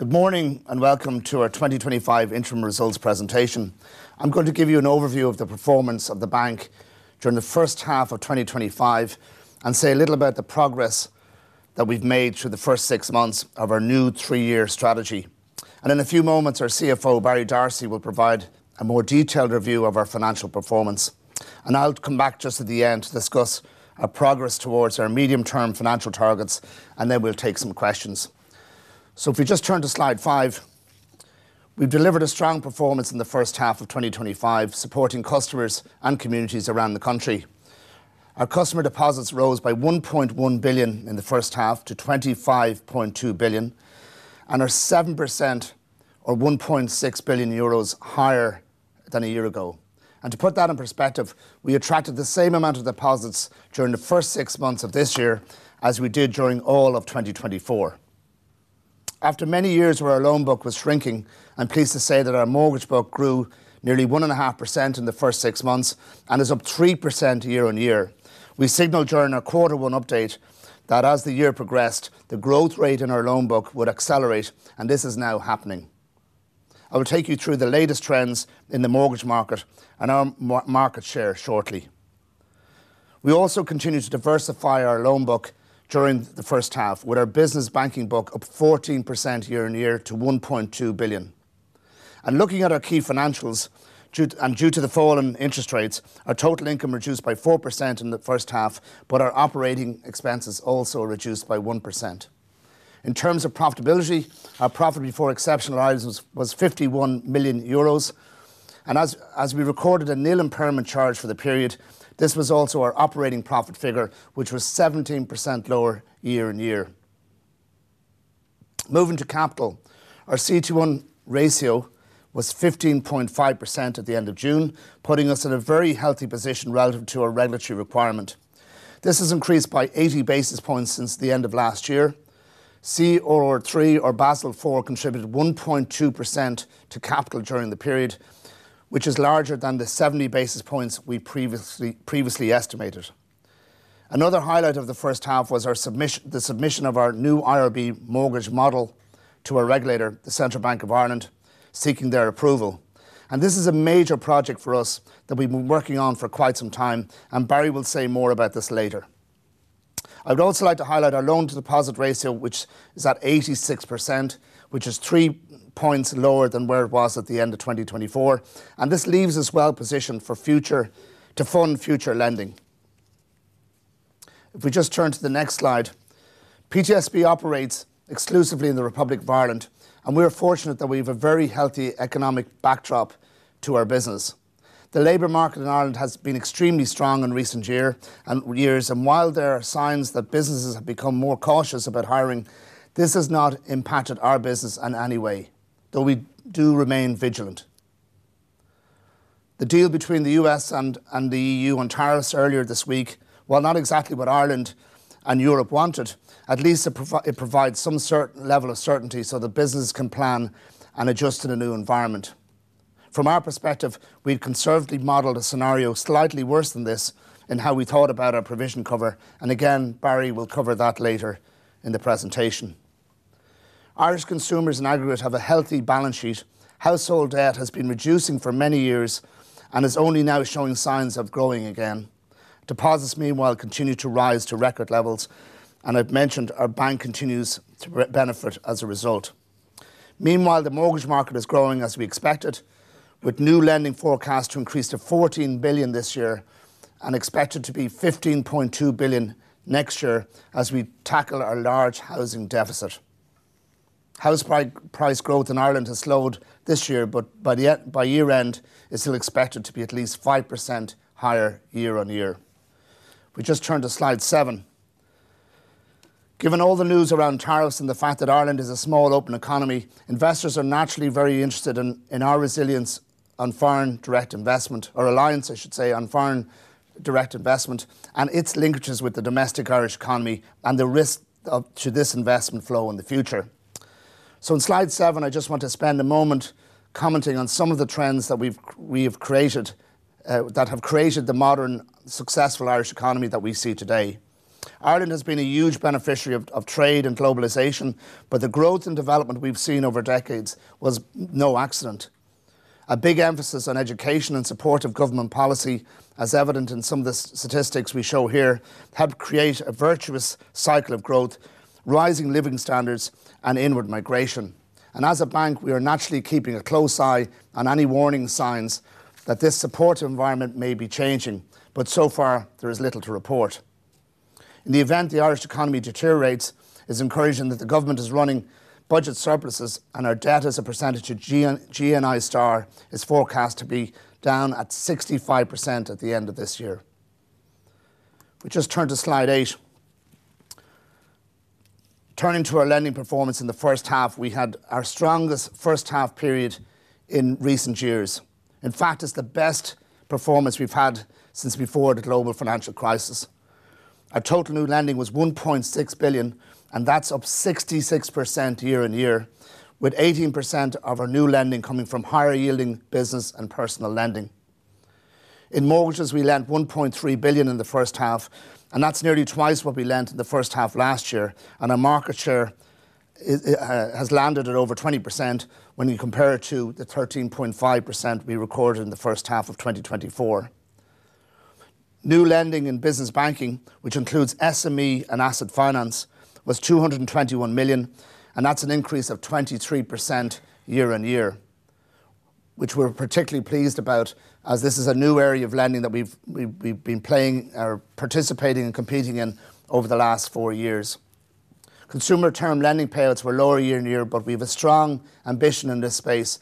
Good morning and welcome to our 2025 interim results presentation. I'm going to give you an overview of the performance of the bank during the first half of 2025 and say a little about the progress that we've made through the first six months of our new three-year strategy. In a few moments, our CFO, Barry D'Arcy, will provide a more detailed review of our financial performance. I'll come back just at the end to discuss our progress towards our medium-term financial targets, and then we'll take some questions. If we just turn to slide five, we've delivered a strong performance in the first half of 2025, supporting customers and communities around the country. Our customer deposits rose by 1.1 billion in the first half to 25.2 billion, and are 7% or 1.6 billion euros higher than a year ago. To put that in perspective, we attracted the same amount of deposits during the first six months of this year as we did during all of 2024. After many years where our loan book was shrinking, I'm pleased to say that our mortgage book grew nearly 1.5% in the first six months and is up 3% year-on-year. We signaled during our quarter one update that as the year progressed, the growth rate in our loan book would accelerate, and this is now happening. I will take you through the latest trends in the mortgage market and our market share shortly. We also continue to diversify our loan book during the first half, with our business banking book up 14% year-on-year to 1.2 billion. Looking at our key financials, due to the fall in interest rates, our total income reduced by 4% in the first half, but our operating expenses also reduced by 1%. In terms of profitability, our profit before exceptional items was 51 million euros. As we recorded a nil impairment charge for the period, this was also our operating profit figure, which was 17% lower year-on-year. Moving to capital, our CET1 ratio was 15.5% at the end of June, putting us in a very healthy position relative to our regulatory requirement. This has increased by 80 basis points since the end of last year. CRR3 or Basel IV contributed 1.2% to capital during the period, which is larger than the 70 basis points we previously estimated. Another highlight of the first half was the submission of our new IRB mortgage model to our regulator, the Central Bank of Ireland, seeking their approval. This is a major project for us that we've been working on for quite some time, and Barry will say more about this later. I'd also like to highlight our loan-to-deposit ratio, which is at 86%, which is three points lower than where it was at the end of 2024. This leaves us well positioned to fund future lending. If we just turn to the next slide, PTSB operates exclusively in the Republic of Ireland, and we are fortunate that we have a very healthy economic backdrop to our business. The labor market in Ireland has been extremely strong in recent years, and while there are signs that businesses have become more cautious about hiring, this has not impacted our business in any way, though we do remain vigilant. The deal between the U.S. and the EU on tariffs earlier this week, while not exactly what Ireland and Europe wanted, at least provides some sort of level of certainty so that businesses can plan and adjust to the new environment. From our perspective, we've conservatively modeled a scenario slightly worse than this in how we thought about our provision cover, and again, Barry will cover that later in the presentation. Irish consumers in aggregate have a healthy balance sheet. Household debt has been reducing for many years and is only now showing signs of growing again. Deposits, meanwhile, continue to rise to record levels, and I've mentioned our bank continues to benefit as a result. Meanwhile, the mortgage market is growing as we expected, with new lending forecasts to increase to 14 billion this year and expected to be 15.2 billion next year as we tackle our large housing deficit. House price growth in Ireland has slowed this year, but by year-end, it's still expected to be at least 5% higher year-on-year. If we just turn to slide seven. Given all the news around tariffs and the fact that Ireland is a small open economy, investors are naturally very interested in our resilience on foreign direct investment, our reliance, I should say, on foreign direct investment and its linkages with the domestic Irish economy and the risk to this investment flow in the future. In slide seven, I just want to spend a moment commenting on some of the trends that have created the modern successful Irish economy that we see today. Ireland has been a huge beneficiary of trade and globalization, but the growth and development we've seen over decades was no accident. A big emphasis on education and supportive government policy, as evident in some of the statistics we show here, helped create a virtuous cycle of growth, rising living standards, and inward migration. As a bank, we are naturally keeping a close eye on any warning signs that this supportive environment may be changing, but so far, there is little to report. In the event the Irish economy deteriorates, it's encouraging that the government is running budget surpluses and our debt as a percentage of GNI* is forecast to be down at 65% at the end of this year. We just turn to slide eight. Turning to our lending performance in the first half, we had our strongest first half period in recent years. In fact, it's the best performance we've had since before the global financial crisis. Our total new lending was 1.6 billion, and that's up 66% year-on-year, with 18% of our new lending coming from higher yielding business and personal lending. In mortgages, we lent 1.3 billion in the first half, and that's nearly twice what we lent in the first half last year, and our market share has landed at over 20% when you compare it to the 13.5% we recorded in the first half of 2024. New lending in business banking, which includes SME lending and asset finance, was 221 million, and that's an increase of 23% year-on-year, which we're particularly pleased about as this is a new area of lending that we've been playing or participating in competing in over the last four years. Consumer term lending payouts were lower year-on-year, but we have a strong ambition in this space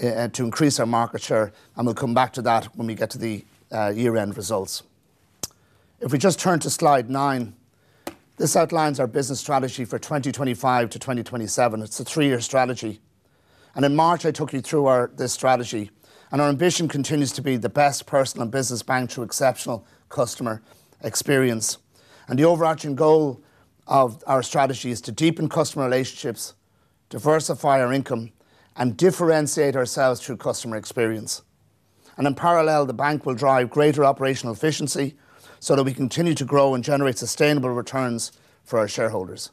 to increase our market share, and we'll come back to that when we get to the year-end results. If we just turn to slide nine, this outlines our business strategy for 2025-2027. It's a three-year strategy. In March, I took you through this strategy, and our ambition continues to be the best personal business bank through exceptional customer experience. The overarching goal of our strategy is to deepen customer relationships, diversify our income, and differentiate ourselves through customer experience. In parallel, the bank will drive greater operational efficiency so that we continue to grow and generate sustainable returns for our shareholders.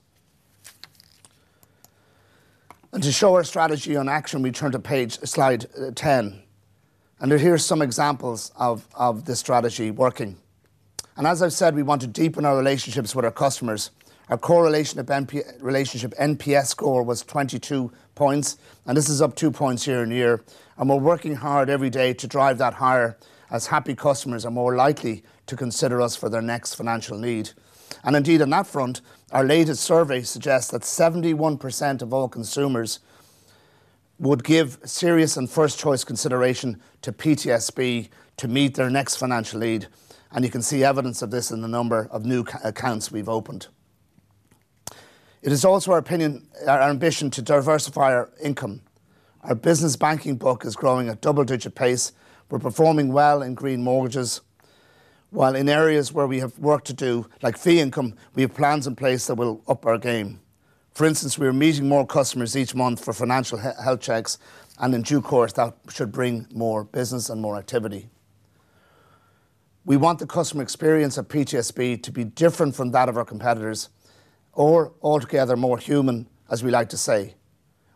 To show our strategy in action, we turn to slide ten. Here are some examples of this strategy working. As I've said, we want to deepen our relationships with our customers. Our core relationship NPS score was 22 points, and this is up 2 points year-on-year. We're working hard every day to drive that higher as happy customers are more likely to consider us for their next financial need. Indeed, on that front, our latest survey suggests that 71% of all consumers would give serious and first-choice consideration to PTSB to meet their next financial need. You can see evidence of this in the number of new accounts we've opened. It is also our ambition to diversify our income. Our business banking book is growing at double-digit pace. We're performing well in green mortgages, while in areas where we have work to do, like fee income, we have plans in place that will up our game. For instance, we are meeting more customers each month for financial health checks, and in due course, that should bring more business and more activity. We want the customer experience of PTSB to be different from that of our competitors or altogether more human, as we like to say.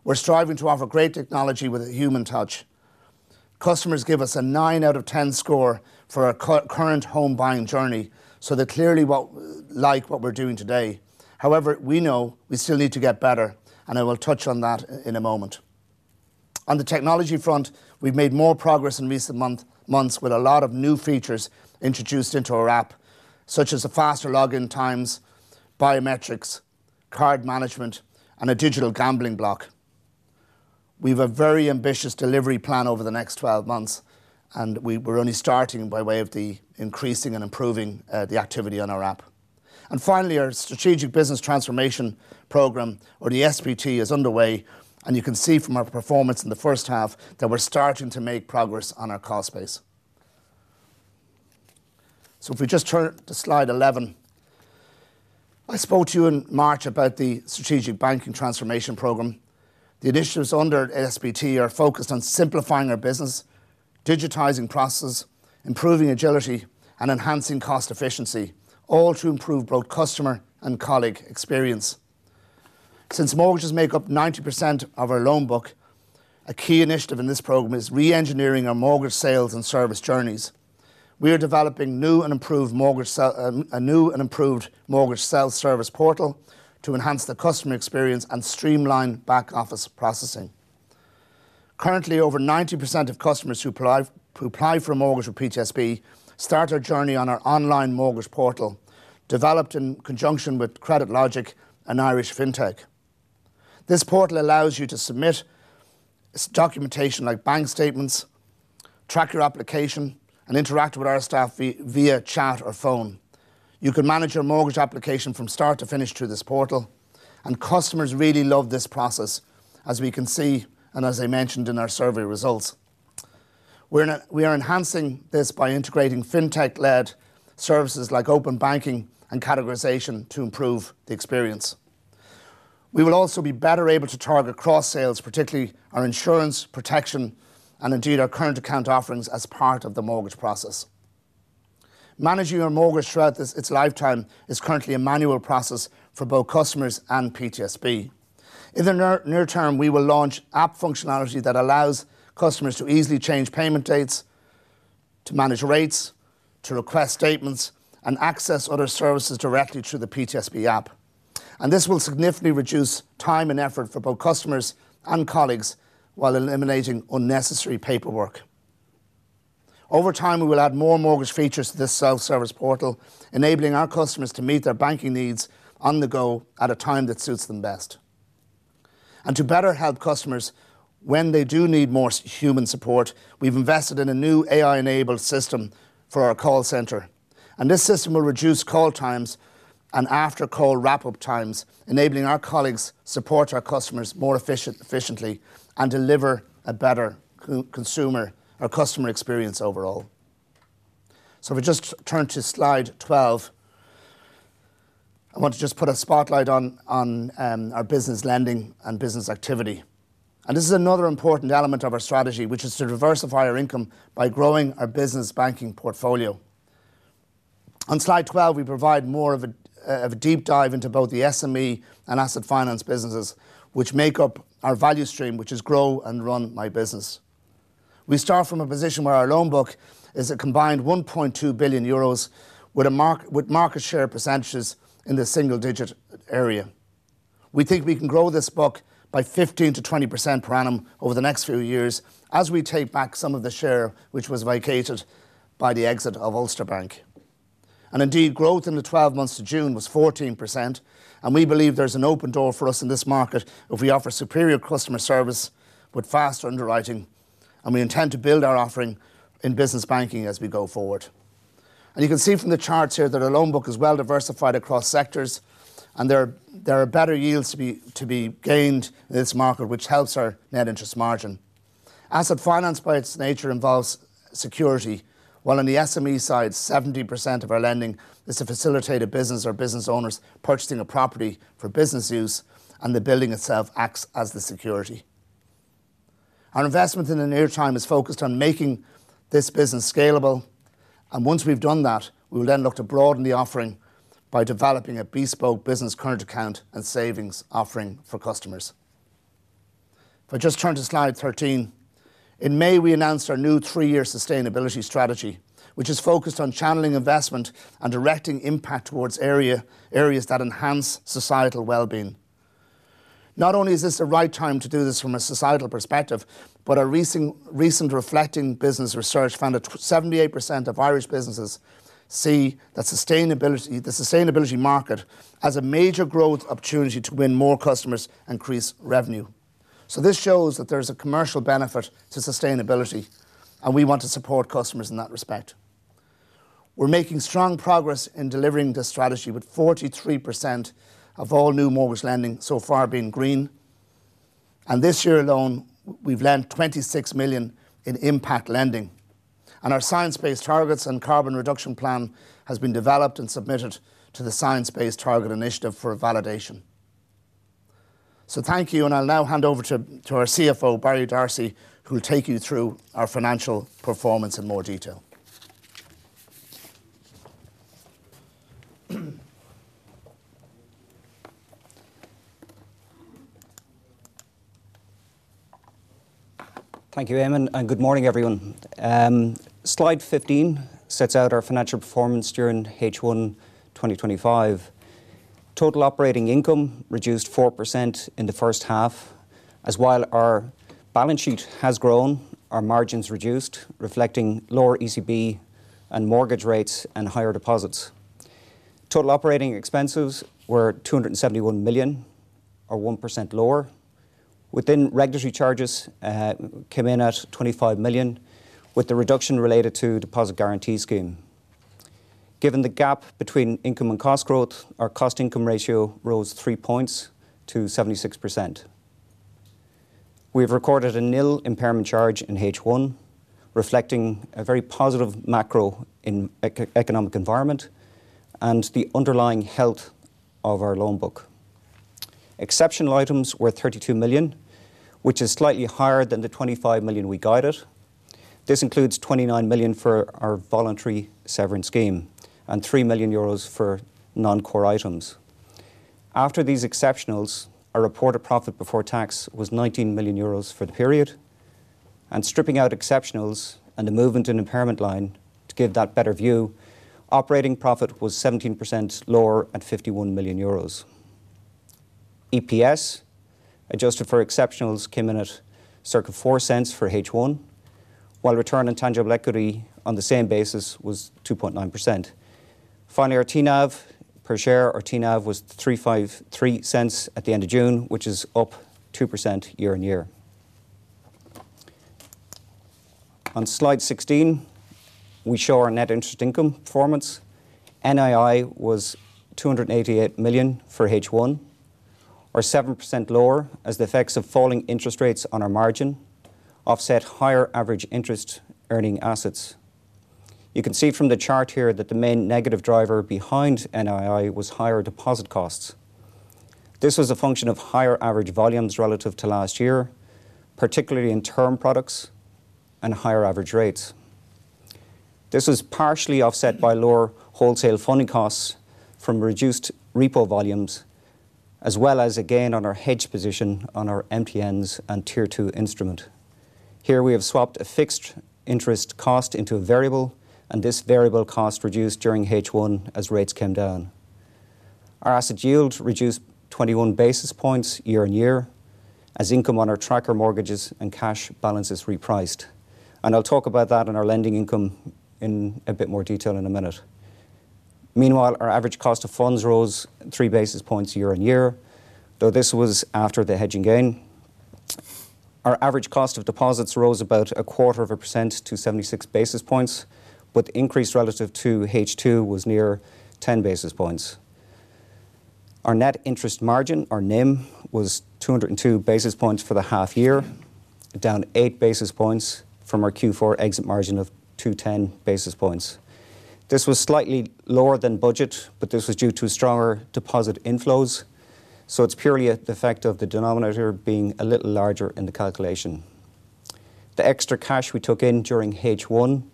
We're striving to offer great technology with a human touch. Customers give us a nine out of ten score for our current home buying journey, so they clearly like what we're doing today. However, we know we still need to get better, and I will touch on that in a moment. On the technology front, we've made more progress in recent months with a lot of new features introduced into our app, such as the faster login times, biometrics, card management, and a digital gambling block. We have a very ambitious delivery plan over the next 12 months, and we're only starting by way of increasing and improving the activity on our app. Finally, our strategic business transformation program, or the SBT, is underway, and you can see from our performance in the first half that we're starting to make progress on our cost base. If we just turn to slide 11, I spoke to you in March about the strategic banking transformation program. The initiatives under SBT are focused on simplifying our business, digitizing processes, improving agility, and enhancing cost efficiency, all to improve both customer and colleague experience. Since mortgages make up 90% of our loan book, a key initiative in this program is re-engineering our mortgage sales and service journeys. We are developing a new and improved mortgage sales service portal to enhance the customer experience and streamline back-office processing. Currently, over 90% of customers who apply for a mortgage with PTSB start a journey on our online mortgage portal, developed in conjunction with CreditLogic and Irish FinTech. This portal allows you to submit documentation like bank statements, track your application, and interact with our staff via chat or phone. You can manage your mortgage application from start to finish through this portal, and customers really love this process, as we can see and as I mentioned in our survey results. We are enhancing this by integrating FinTech-led services like open banking and categorization to improve the experience. We will also be better able to target cross-sales, particularly our insurance protection, and indeed our current account offerings as part of the mortgage process. Managing your mortgage throughout its lifetime is currently a manual process for both customers and PTSB. In the near term, we will launch app functionality that allows customers to easily change payment dates, to manage rates, to request statements, and access other services directly through the PTSB app. This will significantly reduce time and effort for both customers and colleagues while eliminating unnecessary paperwork. Over time, we will add more mortgage features to this self-service portal, enabling our customers to meet their banking needs on the go at a time that suits them best. To better help customers when they do need more human support, we've invested in a new AI-enabled system for our call center. This system will reduce call times and after-call wrap-up times, enabling our colleagues to support our customers more efficiently and deliver a better consumer or customer experience overall. If we just turn to slide 12, I want to just put a spotlight on our business lending and business activity. This is another important element of our strategy, which is to diversify our income by growing our business banking portfolio. On slide 12, we provide more of a deep dive into both the SME and asset finance businesses, which make up our value stream, which is grow and run my business. We start from a position where our loan book is a combined 1.2 billion euros with market share percentages in the single-digit area. We think we can grow this book by 15%-20% per annum over the next few years as we take back some of the share which was vacated by the exit of Ulster Bank. Growth in the 12 months to June was 14%. We believe there's an open door for us in this market if we offer superior customer service with fast underwriting. We intend to build our offering in business banking as we go forward. You can see from the charts here that our loan book is well diversified across sectors, and there are better yields to be gained in this market, which helps our net interest margin. Asset finance, by its nature, involves security, while on the SME side, 70% of our lending is to facilitate a business or business owners purchasing a property for business use, and the building itself acts as the security. Our investment in the near term is focused on making this business scalable. Once we've done that, we will then look to broaden the offering by developing a bespoke business credit account and savings offering for customers. If I just turn to slide 13, in May, we announced our new three-year sustainability strategy, which is focused on channeling investment and directing impact towards areas that enhance societal well-being. Not only is this the right time to do this from a societal perspective, but our recent reflecting business research found that 78% of Irish businesses see that the sustainability market has a major growth opportunity to win more customers and increase revenue. This shows that there's a commercial benefit to sustainability, and we want to support customers in that respect. We're making strong progress in delivering this strategy with 43% of all new mortgage lending so far being green. This year alone, we've lent 26 million in impact lending. Our science-based targets and carbon reduction plan have been developed and submitted to the science-based target initiative for validation. Thank you, and I'll now hand over to our CFO, Barry D'Arcy, who will take you through our financial performance in more detail. Thank you, Eamonn, and good morning, everyone. Slide 15 sets out our financial performance during H1 2025. Total operating income reduced 4% in the first half, as while our balance sheet has grown, our margins reduced, reflecting lower ECB and mortgage rates and higher deposits. Total operating expenses were 271 million, or 1% lower. Within regulatory charges, it came in at 25 million, with the reduction related to the deposit guarantee scheme. Given the gap between income and cost growth, our cost-to-income ratio rose 3 points to 76%. We've recorded a nil impairment charge in H1, reflecting a very positive macroeconomic environment and the underlying health of our loan book. Exceptional items were 32 million, which is slightly higher than the 25 million we guided. This includes 29 million for our voluntary severance scheme and 3 million euros for non-core items. After these exceptionals, our reported profit before tax was 19 million euros for the period. Stripping out exceptionals and the movement in impairment line to give that better view, operating profit was 17% lower at 51 million euros. EPS adjusted for exceptionals came in at circa 0.04 for H1, while return on tangible equity on the same basis was 2.9%. Finally, our TNAV per share, our TNAV was 3.53 at the end of June, which is up 2% year-on-year. On slide 16, we show our net interest income performance. NII was 288 million for H1, or 7% lower as the effects of falling interest rates on our margin offset higher average interest earning assets. You can see from the chart here that the main negative driver behind NII was higher deposit costs. This was a function of higher average volumes relative to last year, particularly in term products and higher average rates. This was partially offset by lower wholesale funding costs from reduced repo volumes, as well as a gain on our hedge position on our MPNs and Tier 2 instrument. Here we have swapped a fixed interest cost into a variable, and this variable cost reduced during H1 as rates came down. Our asset yield reduced 21 basis points year-on-year as income on our tracker mortgages and cash balances repriced. I'll talk about that in our lending income in a bit more detail in a minute. Meanwhile, our average cost of funds rose 3 basis points year-on-year, though this was after the hedging gain. Our average cost of deposits rose about a quarter of a percent to 76 basis points, but the increase relative to H2 was near 10 basis points. Our net interest margin, or NIM, was 202 basis points for the half year, down 8 basis points from our Q4 exit margin of 210 basis points. This was slightly lower than budget, but this was due to stronger deposit inflows, so it's purely the effect of the denominator being a little larger in the calculation. The extra cash we took in during H1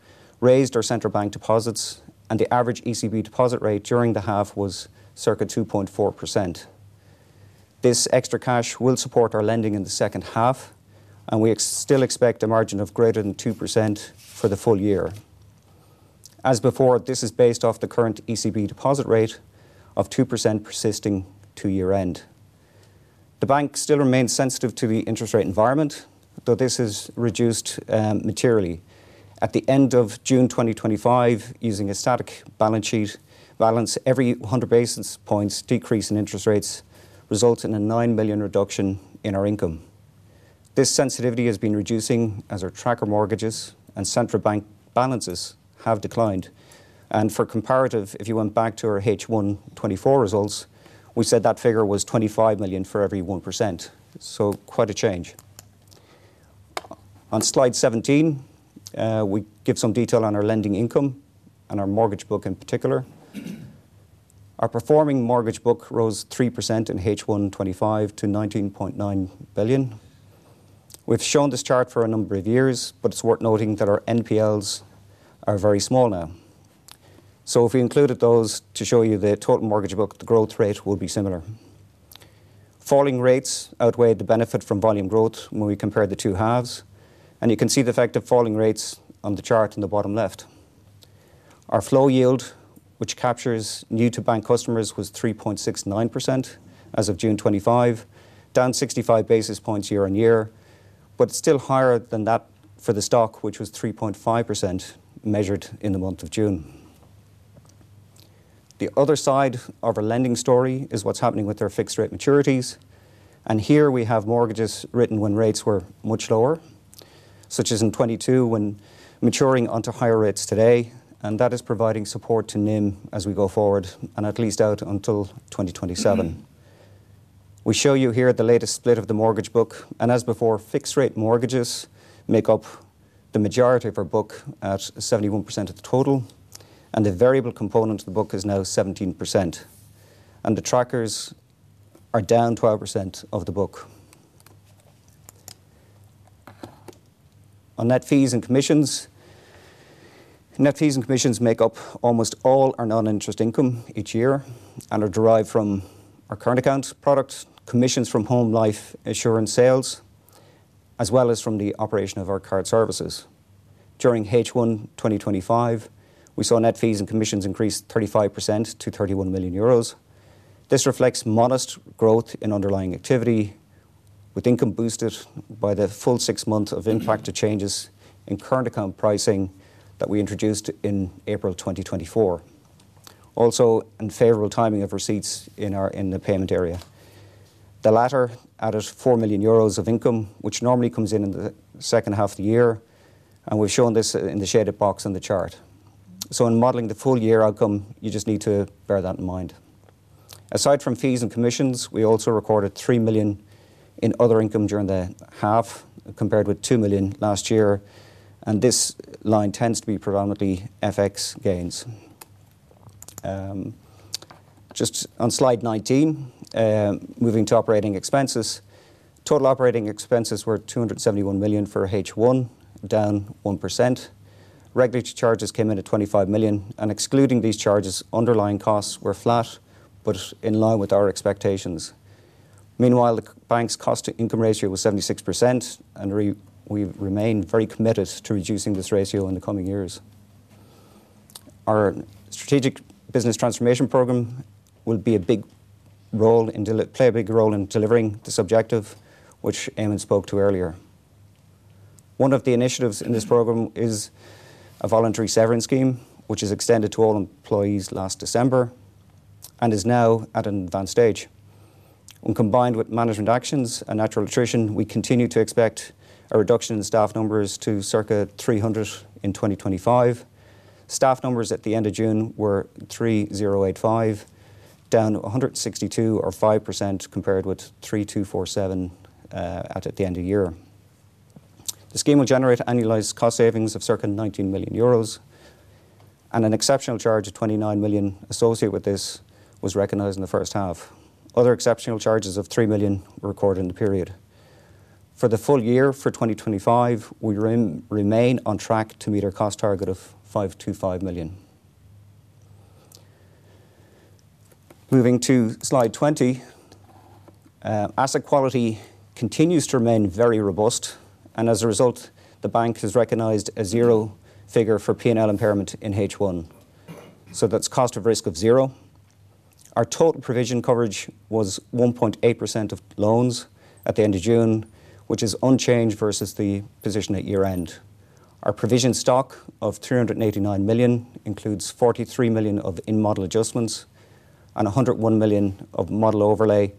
raised our central bank deposits, and the average ECB deposit rate during the half was circa 2.4%. This extra cash will support our lending in the second half, and we still expect a margin of greater than 2% for the full year. As before, this is based off the current ECB deposit rate of 2% persisting to year-end. The bank still remains sensitive to the interest rate environment, though this has reduced materially. At the end of June 2025, using a static balance sheet, every 100 basis points decrease in interest rates resulted in a 9 million reduction in our income. This sensitivity has been reducing as our tracker mortgages and central bank balances have declined. For comparative, if you went back to our H1 2024 results, we said that figure was 25 million for every 1%, quite a change. On slide 17, we give some detail on our lending income and our mortgage book in particular. Our performing mortgage book rose 3% in H1 2025 to 19.9 billion. We've shown this chart for a number of years, but it's worth noting that our NPLs are very small now. If we included those to show you the total mortgage book, the growth rate will be similar. Falling rates outweighed the benefit from volume growth when we compare the two halves, and you can see the effect of falling rates on the chart in the bottom left. Our flow yield, which captures new-to-bank customers, was 3.69% as of June 2025, down 65 basis points year-on-year, but still higher than that for the stock, which was 3.5% measured in the month of June. The other side of our lending story is what's happening with our fixed-rate maturities. Here we have mortgages written when rates were much lower, such as in 2022, maturing onto higher rates today, and that is providing support to NIM as we go forward and at least out until 2027. We show you here the latest split of the mortgage book, and as before, fixed-rate mortgages make up the majority of our book at 71% of the total, the variable component of the book is now 17%, and the trackers are down to 12% of the book. On net fees and commissions, net fees and commissions make up almost all our non-interest income each year and are derived from our current accounts product, commissions from home life insurance sales, as well as from the operation of our card services. During H1 2025, we saw net fees and commissions increase 35% to 31 million euros. This reflects modest growth in underlying activity, with income boosted by the full six months of impact to changes in current account pricing that we introduced in April 2024. Also, in favorable timing of receipts in the payment area. The latter added 4 million euros of income, which normally comes in in the second half of the year, and we've shown this in the shaded box in the chart. In modeling the full year outcome, you just need to bear that in mind. Aside from fees and commissions, we also recorded 3 million in other income during the half, compared with 2 million last year, and this line tends to be predominantly FX gains. Just on slide 19, moving to operating expenses, total operating expenses were 271 million for H1, down 1%. Regulatory charges came in at 25 million, and excluding these charges, underlying costs were flat, but in line with our expectations. Meanwhile, the bank's cost-to-income ratio was 76%, and we remain very committed to reducing this ratio in the coming years. Our strategic business transformation program will play a big role in delivering the objective which Eamonn Crowley spoke to earlier. One of the initiatives in this program is a voluntary severance scheme, which was extended to all employees last December and is now at an advanced stage. When combined with management actions and natural attrition, we continue to expect a reduction in staff numbers to circa 300 in 2025. Staff numbers at the end of June were 3,085, down 162 or 5% compared with 3,247 at the end of the year. The scheme will generate annualized cost savings of circa 19 million euros, and an exceptional charge of 29 million associated with this was recognized in the first half. Other exceptional charges of 3 million were recorded in the period. For the full year for 2025, we remain on track to meet our cost target of 525 million. Moving to slide 20, asset quality continues to remain very robust, and as a result, the bank has recognized a zero figure for P&L impairment in H1. That's cost of risk of zero. Our total provision coverage was 1.8% of loans at the end of June, which is unchanged versus the position at year-end. Our provision stock of 389 million includes 43 million of in-model adjustments and 101 million of model overlay,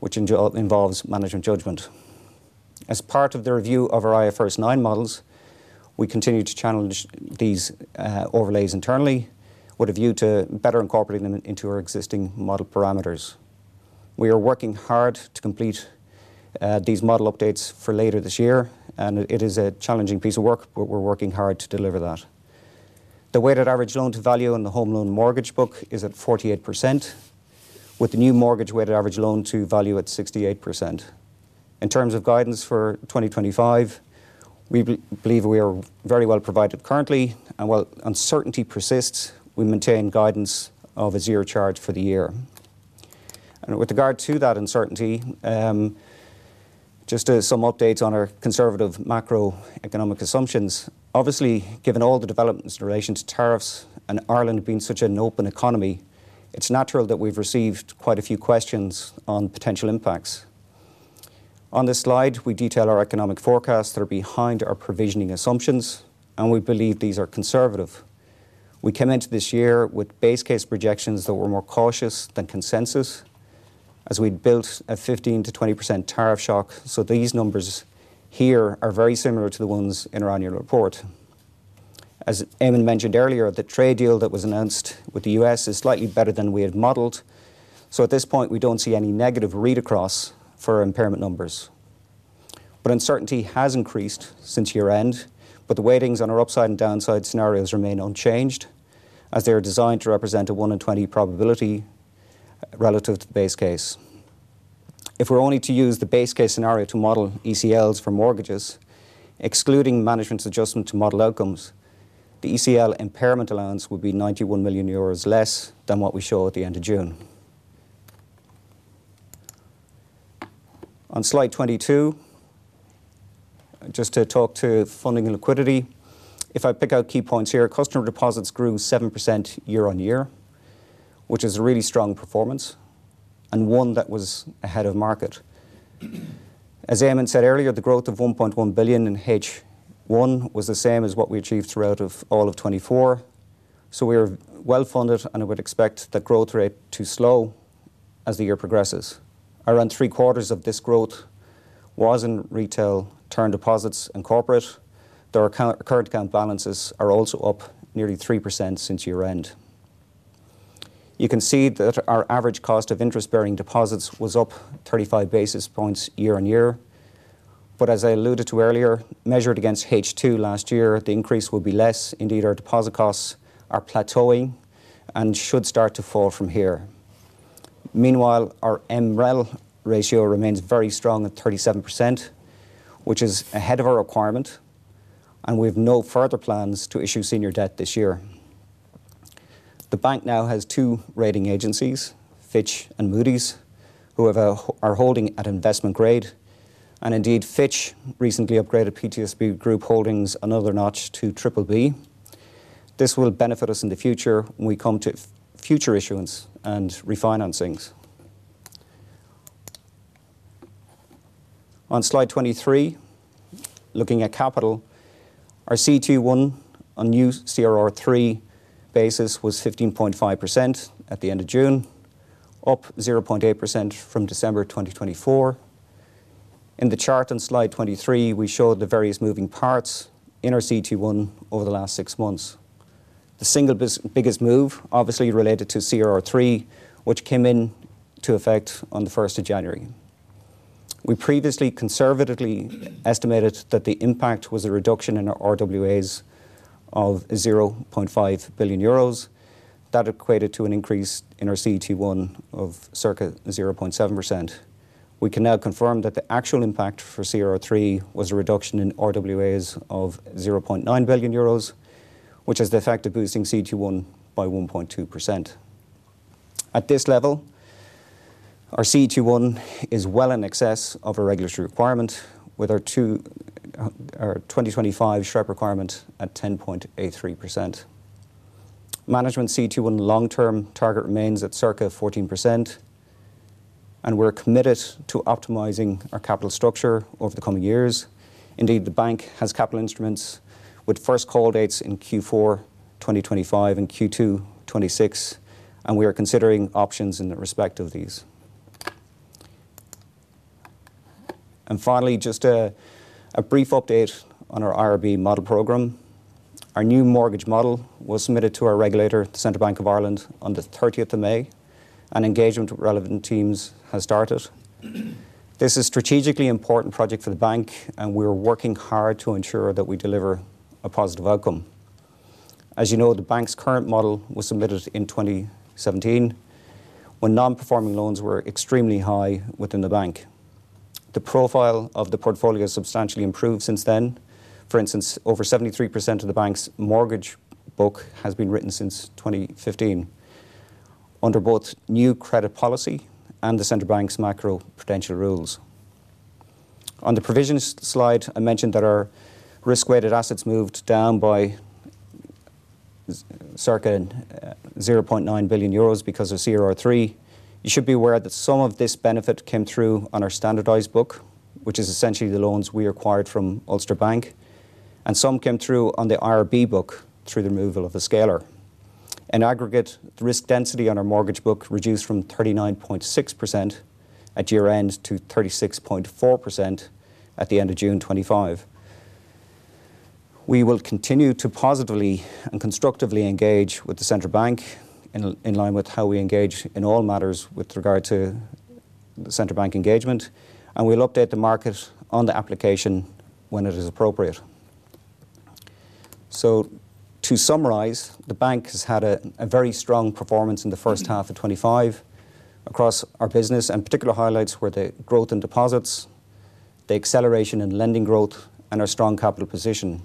which involves management judgment. As part of the review of our IFRS 9 models, we continue to challenge these overlays internally with a view to better incorporating them into our existing model parameters. We are working hard to complete these model updates for later this year, and it is a challenging piece of work, but we're working hard to deliver that. The weighted average loan to value on the home loan mortgage book is at 48%, with the new mortgage weighted average loan to value at 68%. In terms of guidance for 2025, we believe we are very well provided currently, and while uncertainty persists, we maintain guidance of a zero charge for the year. With regard to that uncertainty, just some updates on our conservative macroeconomic assumptions. Obviously, given all the developments in relation to tariffs and Ireland being such an open economy, it's natural that we've received quite a few questions on potential impacts. On this slide, we detail our economic forecasts that are behind our provisioning assumptions, and we believe these are conservative. We came into this year with base case projections that were more cautious than consensus, as we'd built a 15%-20% tariff shock. These numbers here are very similar to the ones in our annual report. As Eamonn mentioned earlier, the trade deal that was announced with the U.S. is slightly better than we had modeled. At this point, we don't see any negative read across for impairment numbers. Uncertainty has increased since year-end, but the weightings on our upside and downside scenarios remain unchanged, as they are designed to represent a one in 20 probability relative to the base case. If we were only to use the base case scenario to model ECLs for mortgages, excluding management's adjustment to model outcomes, the ECL impairment allowance would be 91 million euros less than what we show at the end of June. On slide 22, just to talk to funding and liquidity, if I pick out key points here, customer deposits grew 7% year-on-year, which is a really strong performance and one that was ahead of market. As Eamonn said earlier, the growth of 1.1 billion in H1 was the same as what we achieved throughout all of 2024. We are well funded, and I would expect the growth rate to slow as the year progresses. Around three quarters of this growth was in retail, term deposits, and corporate. Our current account balances are also up nearly 3% since year-end. You can see that our average cost of interest-bearing deposits was up 35 basis points year-on-year. As I alluded to earlier, measured against H2 last year, the increase will be less. Indeed, our deposit costs are plateauing and should start to fall from here. Meanwhile, our MREL ratio remains very strong at 37%, which is ahead of our requirement, and we have no further plans to issue senior debt this year. The bank now has two rating agencies, Fitch and Moody’s, who are holding at investment grade. Indeed, Fitch recently upgraded PTSB Group Holdings another notch to triple B. This will benefit us in the future when we come to future issuance and refinancings. On slide 23, looking at capital, our CET1 on new CRR3 basis was 15.5% at the end of June, up 0.8% from December 2024. In the chart on slide 23, we show the various moving parts in our CET1 over the last six months. The single biggest move obviously related to CRR3, which came into effect on the 1st of January. We previously conservatively estimated that the impact was a reduction in our RWAs of 0.5 billion euros. That equated to an increase in our CET1 of circa 0.7%. We can now confirm that the actual impact for CRR3 was a reduction in RWAs of 0.9 billion euros, which is the effect of boosting CET1 by 1.2%. At this level, our CET1 is well in excess of a regulatory requirement with our 2025 SREP requirement at 10.83%. Management's CET1 long-term target remains at circa 14%, and we're committed to optimizing our capital structure over the coming years. The bank has capital instruments with first call dates in Q4 2025 and Q2 2026, and we are considering options in respect of these. Finally, just a brief update on our IRB model program. Our new mortgage model was submitted to our regulator, the Central Bank of Ireland, on the 30th of May, and engagement with relevant teams has started. This is a strategically important project for the bank, and we are working hard to ensure that we deliver a positive outcome. As you know, the bank's current model was submitted in 2017 when non-performing loans were extremely high within the bank. The profile of the portfolio has substantially improved since then. For instance, over 73% of the bank's mortgage book has been written since 2015 under both new credit policy and the Central Bank's macroprudential rules. On the provisions slide, I mentioned that our risk-weighted assets moved down by circa 0.9 billion euros because of CRR3. You should be aware that some of this benefit came through on our standardized book, which is essentially the loans we acquired from Ulster Bank, and some came through on the IRB book through the removal of the scaler. In aggregate, the risk density on our mortgage book reduced from 39.6% at year-end to 36.4% at the end of June 2025. We will continue to positively and constructively engage with the Central Bank of Ireland in line with how we engage in all matters with regard to the Central Bank of Ireland engagement, and we'll update the market on the application when it is appropriate. To summarize, the bank has had a very strong performance in the first half of 2025 across our business, and particular highlights were the growth in deposits, the acceleration in lending growth, and our strong capital position.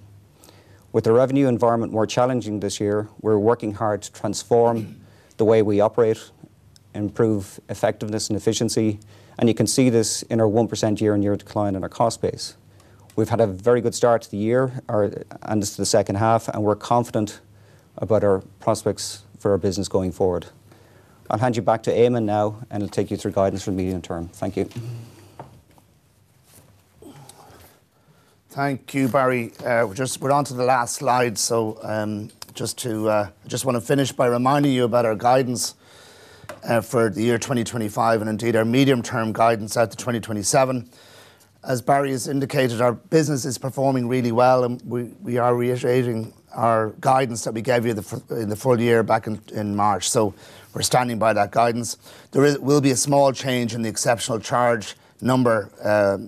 With the revenue environment more challenging this year, we're working hard to transform the way we operate and improve effectiveness and efficiency, and you can see this in our 1% year-on-year decline in our cost base. We've had a very good start to the year and this is the second half, and we're confident about our prospects for our business going forward. I'll hand you back to Eamonn now, and I'll take you through guidance for the medium term. Thank you. Thank you, Barry. We're on to the last slide. I just want to finish by reminding you about our guidance for the year 2025 and indeed our medium-term guidance out to 2027. As Barry has indicated, our business is performing really well, and we are reiterating our guidance that we gave you in the full year back in March. We're standing by that guidance. There will be a small change in the exceptional charge number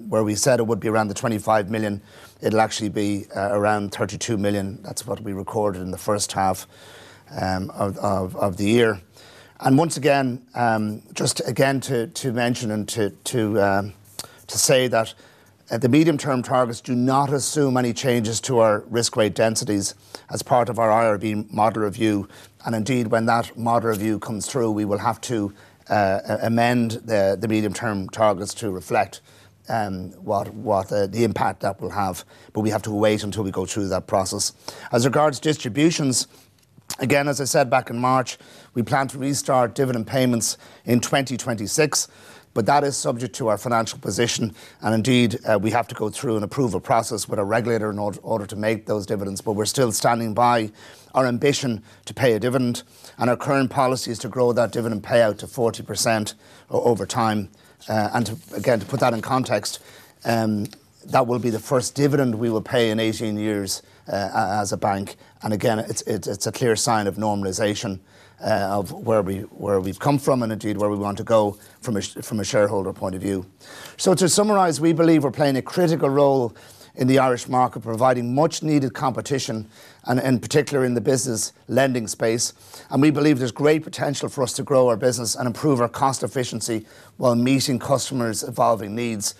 where we said it would be around 25 million. It'll actually be around 32 million. That's what we recorded in the first half of the year. Once again, just to mention and to say that the medium-term targets do not assume any changes to our risk rate densities as part of our IRB mortgage model review. When that model review comes through, we will have to amend the medium-term targets to reflect the impact that will have. We have to wait until we go through that process. As regards to distributions, as I said back in March, we plan to restart dividend payments in 2026, but that is subject to our financial position. We have to go through an approval process with our regulator in order to make those dividends, but we're still standing by our ambition to pay a dividend. Our current policy is to grow that dividend payout to 40% over time. To put that in context, that will be the first dividend we will pay in 18 years as a bank. It's a clear sign of normalization of where we've come from and where we want to go from a shareholder point of view. To summarize, we believe we're playing a critical role in the Irish market, providing much-needed competition, particularly in the business lending space. We believe there's great potential for us to grow our business and improve our cost efficiency while meeting customers' evolving needs.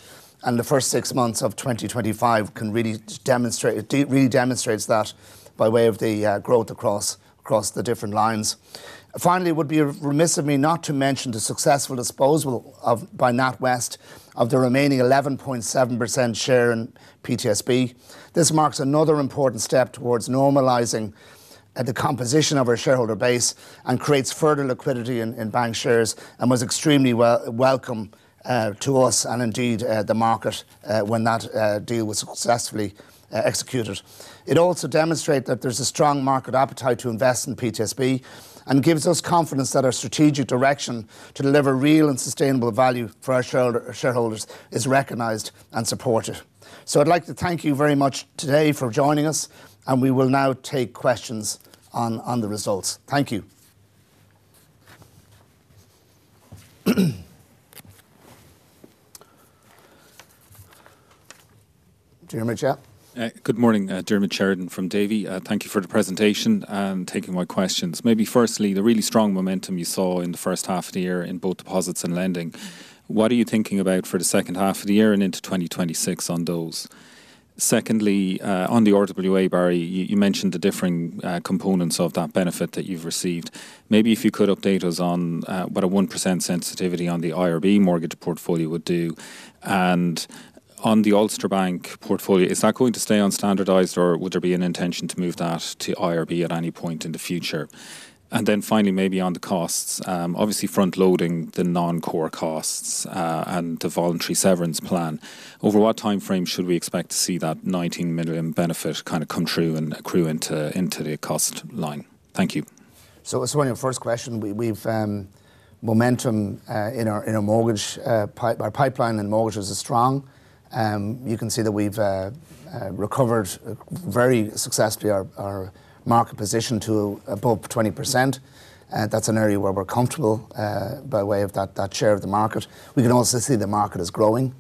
The first six months of 2025 can really demonstrate that by way of the growth across the different lines. Finally, it would be remiss of me not to mention the successful disposal by NatWest of the remaining 11.7% share in PTSB. This marks another important step towards normalizing the composition of our shareholder base and creates further liquidity in bank shares and was extremely welcome to us and the market when that deal was successfully executed. It also demonstrates that there's a strong market appetite to invest in PTSB and gives us confidence that our strategic direction to deliver real and sustainable value for our shareholders is recognized and supported. I'd like to thank you very much today for joining us, and we will now take questions on the results. Thank you. Diarmaid? Good morning. Diarmaid Sheridan from Davy. Thank you for the presentation and taking my questions. Maybe firstly, the really strong momentum you saw in the first half of the year in both deposits and lending. What are you thinking about for the second half of the year and into 2026 on those? Secondly, on the RWA, Barry, you mentioned the differing components of that benefit that you've received. Maybe if you could update us on what a 1% sensitivity on the IRB mortgage portfolio would do. On the Ulster Bank portfolio, is that going to stay unstandardized, or would there be an intention to move that to IRB at any point in the future? Finally, maybe on the costs, obviously front-loading the non-core costs and the voluntary severance plan. Over what timeframe should we expect to see that 19 million benefit kind of come true and accrue into the cost line? Thank you. Let's go on your first question. We've momentum in our mortgage pipeline, and mortgage is strong. You can see that we've recovered very successfully our market position to above 20%. That's an area where we're comfortable by way of that share of the market. We can also see the market is growing,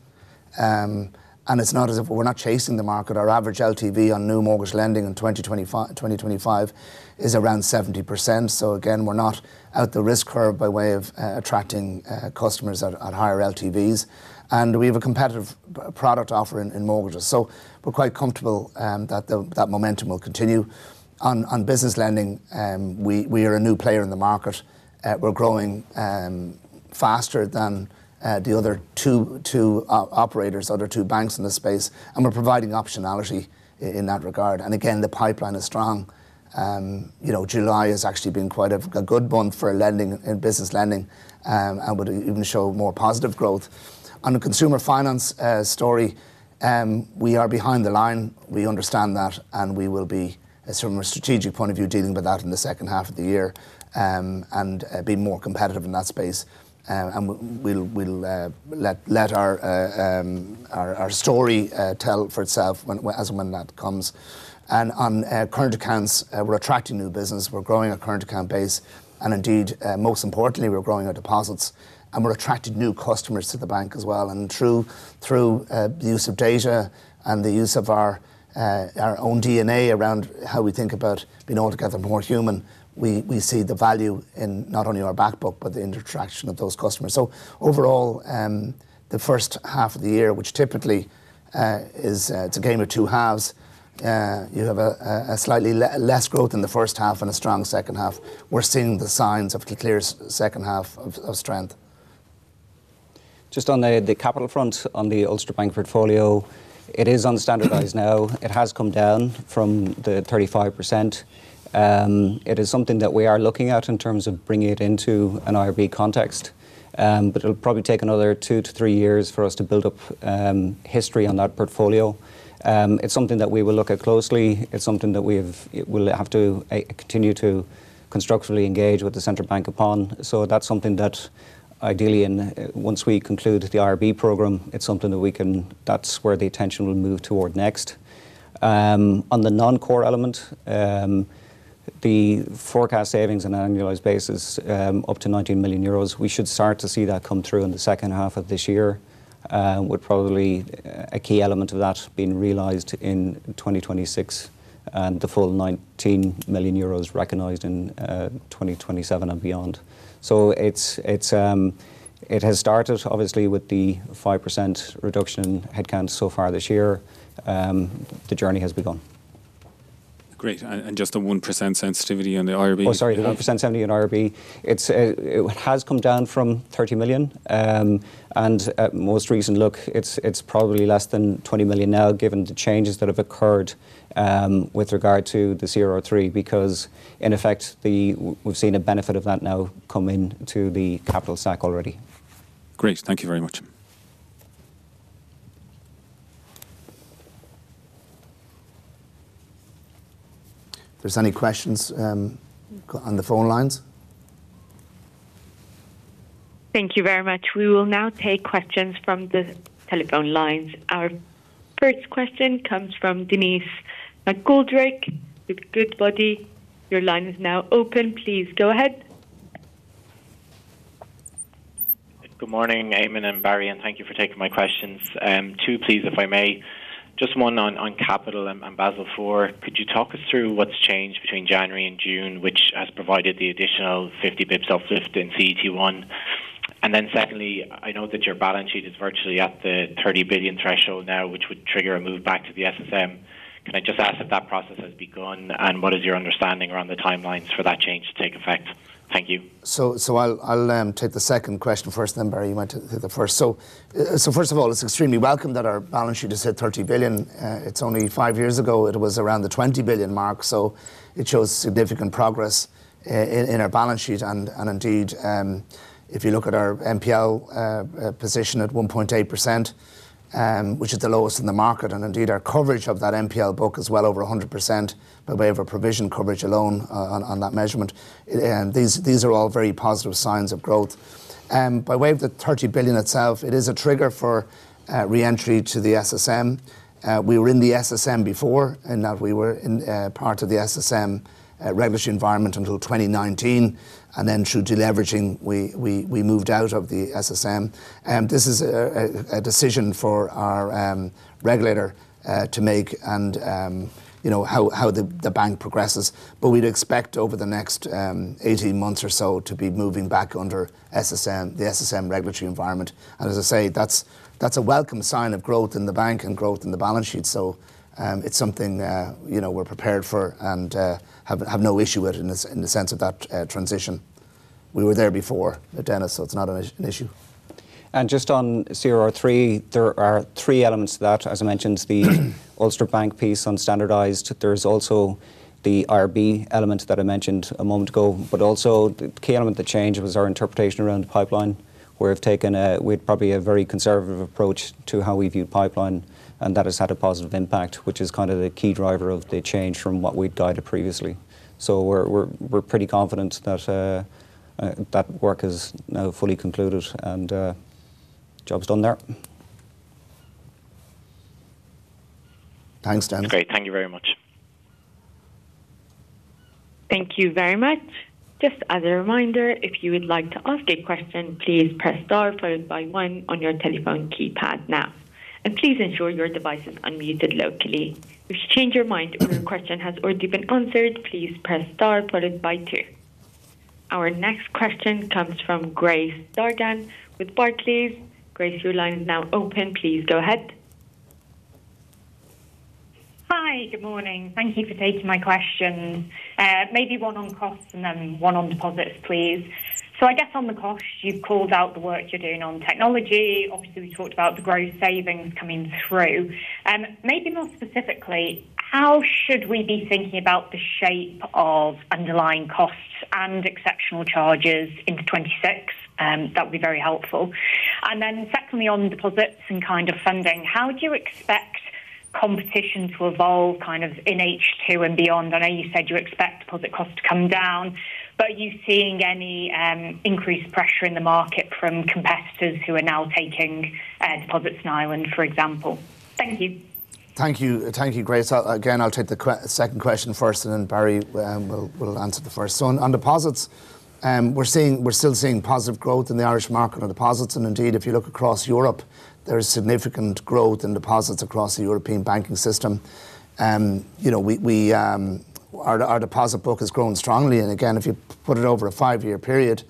and it's not as if we're not chasing the market. Our average LTV on new mortgage lending in 2025 is around 70%. Again, we're not at the risk curve by way of attracting customers at higher LTVs. We have a competitive product offering in mortgages, so we're quite comfortable that that momentum will continue. On business lending, we are a new player in the market. We're growing faster than the other two operators, other two banks in the space, and we're providing optionality in that regard. Again, the pipeline is strong. July has actually been quite a good month for lending and business lending, and we'll even show more positive growth. On the consumer finance story, we are behind the line. We understand that, and we will be, from a strategic point of view, dealing with that in the second half of the year and being more competitive in that space. We'll let our story tell for itself as and when that comes. On current accounts, we're attracting new business. We're growing our current account base, and indeed, most importantly, we're growing our deposits, and we're attracting new customers to the bank as well. Through the use of data and the use of our own DNA around how we think about being all together more human, we see the value in not only our backbook, but the interaction of those customers. Overall, the first half of the year, which typically is a game of two halves, you have a slightly less growth in the first half and a strong second half. We're seeing the signs of a clear second half of strength. Just on the capital front on the Ulster Bank portfolio, it is unstandardized now. It has come down from the 35%. It is something that we are looking at in terms of bringing it into an IRB context, but it'll probably take another two to three years for us to build up history on that portfolio. It's something that we will look at closely. It's something that we will have to continue to constructively engage with the Central Bank of Ireland upon. That's something that ideally, once we conclude the IRB program, that's where the attention will move toward next. On the non-core element, the forecast savings on an annualized basis up to 19 million euros, we should start to see that come through in the second half of this year, with probably a key element of that being realized in 2026 and the full 19 million euros recognized in 2027 and beyond. It has started, obviously, with the 5% reduction in headcount so far this year. The journey has begun. Great. The 1% sensitivity on the IRB. Sorry, the 1% sensitivity on IRB. It has come down from 30 million. At most recent look, it's probably less than 20 million now, given the changes that have occurred with regard to the CRR3, because in effect, we've seen a benefit of that now come into the capital stack already. Great. Thank you very much. If there's any questions on the phone lines. Thank you very much. We will now take questions from the telephone lines. Our first question comes from Denise McGoldrick with Goodbody. Your line is now open. Please go ahead. Good morning, Eamonn and Barry, and thank you for taking my questions. Two, please, if I may. Just one on capital and CRR3 (Basel IV). Could you talk us through what's changed between January and June, which has provided the additional 50 bps uplift in CET1? Secondly, I know that your balance sheet is virtually at the 30 billion threshold now, which would trigger a move back to the SSM. Can I just ask if that process has begun and what is your understanding around the timelines for that change to take effect? Thank you. I'll take the second question first, then Barry, you might take the first. First of all, it's extremely welcome that our balance sheet is at 30 billion. It's only five years ago it was around the 20 billion mark. It shows significant progress in our balance sheet. Indeed, if you look at our NPL position at 1.8%, which is the lowest in the market, and our coverage of that NPL book is well over 100% by way of our provision coverage alone on that measurement. These are all very positive signs of growth. By way of the 30 billion itself, it is a trigger for reentry to the SSM. We were in the SSM before and we were in part of the SSM regulatory environment until 2019. Through deleveraging, we moved out of the SSM. This is a decision for our regulator to make and how the bank progresses. We'd expect over the next 18 months or so to be moving back under the SSM regulatory environment. As I say, that's a welcome sign of growth in the bank and growth in the balance sheet. It's something we're prepared for and have no issue with in the sense of that transition. We were there before, so it's not an issue. On CRR3, there are three elements to that. As I mentioned, the Ulster Bank piece unstandardized. There's also the IRB element that I mentioned a moment ago. The key element that changed was our interpretation around the pipeline. We've taken a, we'd probably a very conservative approach to how we view pipeline, and that has had a positive impact, which is kind of the key driver of the change from what we'd guided previously. We're pretty confident that that work is now fully concluded and job's done there. Thanks, Dennis. Great. Thank you very much. Thank you very much. Just as a reminder, if you would like to ask a question, please press star followed by one on your telephone keypad now. Please ensure your device is unmuted locally. If you change your mind and your question has already been answered, please press star followed by two. Our next question comes from Grace Dargan with Barclays. Grace, your line is now open. Please go ahead. Hi, good morning. Thank you for taking my question. Maybe one on costs and then one on deposits, please. I guess on the costs, you've called out the work you're doing on technology. Obviously, we talked about the growth savings coming through. Maybe more specifically, how should we be thinking about the shape of underlying costs and exceptional charges into 2026? That would be very helpful. Secondly, on deposits and kind of funding, how do you expect competition to evolve in H2 and beyond? I know you said you expect deposit costs to come down, but are you seeing any increased pressure in the market from competitors who are now taking deposits in Ireland, for example? Thank you. Thank you. Thank you, Grace. Again, I'll take the second question first and then Barry will answer the first. On deposits, we're still seeing positive growth in the Irish market on deposits. Indeed, if you look across Europe, there's significant growth in deposits across the European banking system. Our deposit book has grown strongly. If you put it over a five-year period,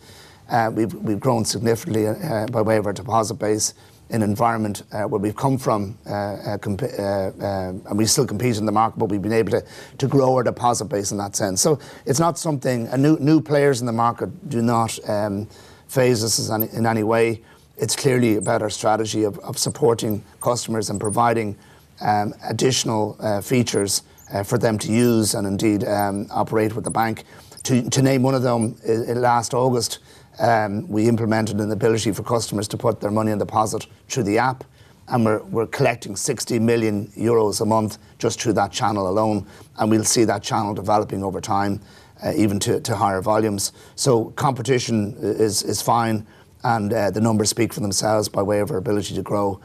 we've grown significantly by way of our deposit base in an environment where we've come from and we still compete in the market, but we've been able to grow our deposit base in that sense. New players in the market do not phase us in any way. It's clearly about our strategy of supporting customers and providing additional features for them to use and operate with the bank. To name one of them, last August, we implemented an ability for customers to put their money in deposit through the app. We're collecting 60 million euros a month just through that channel alone. We'll see that channel developing over time, even to higher volumes. Competition is fine, and the numbers speak for themselves by way of our ability to grow.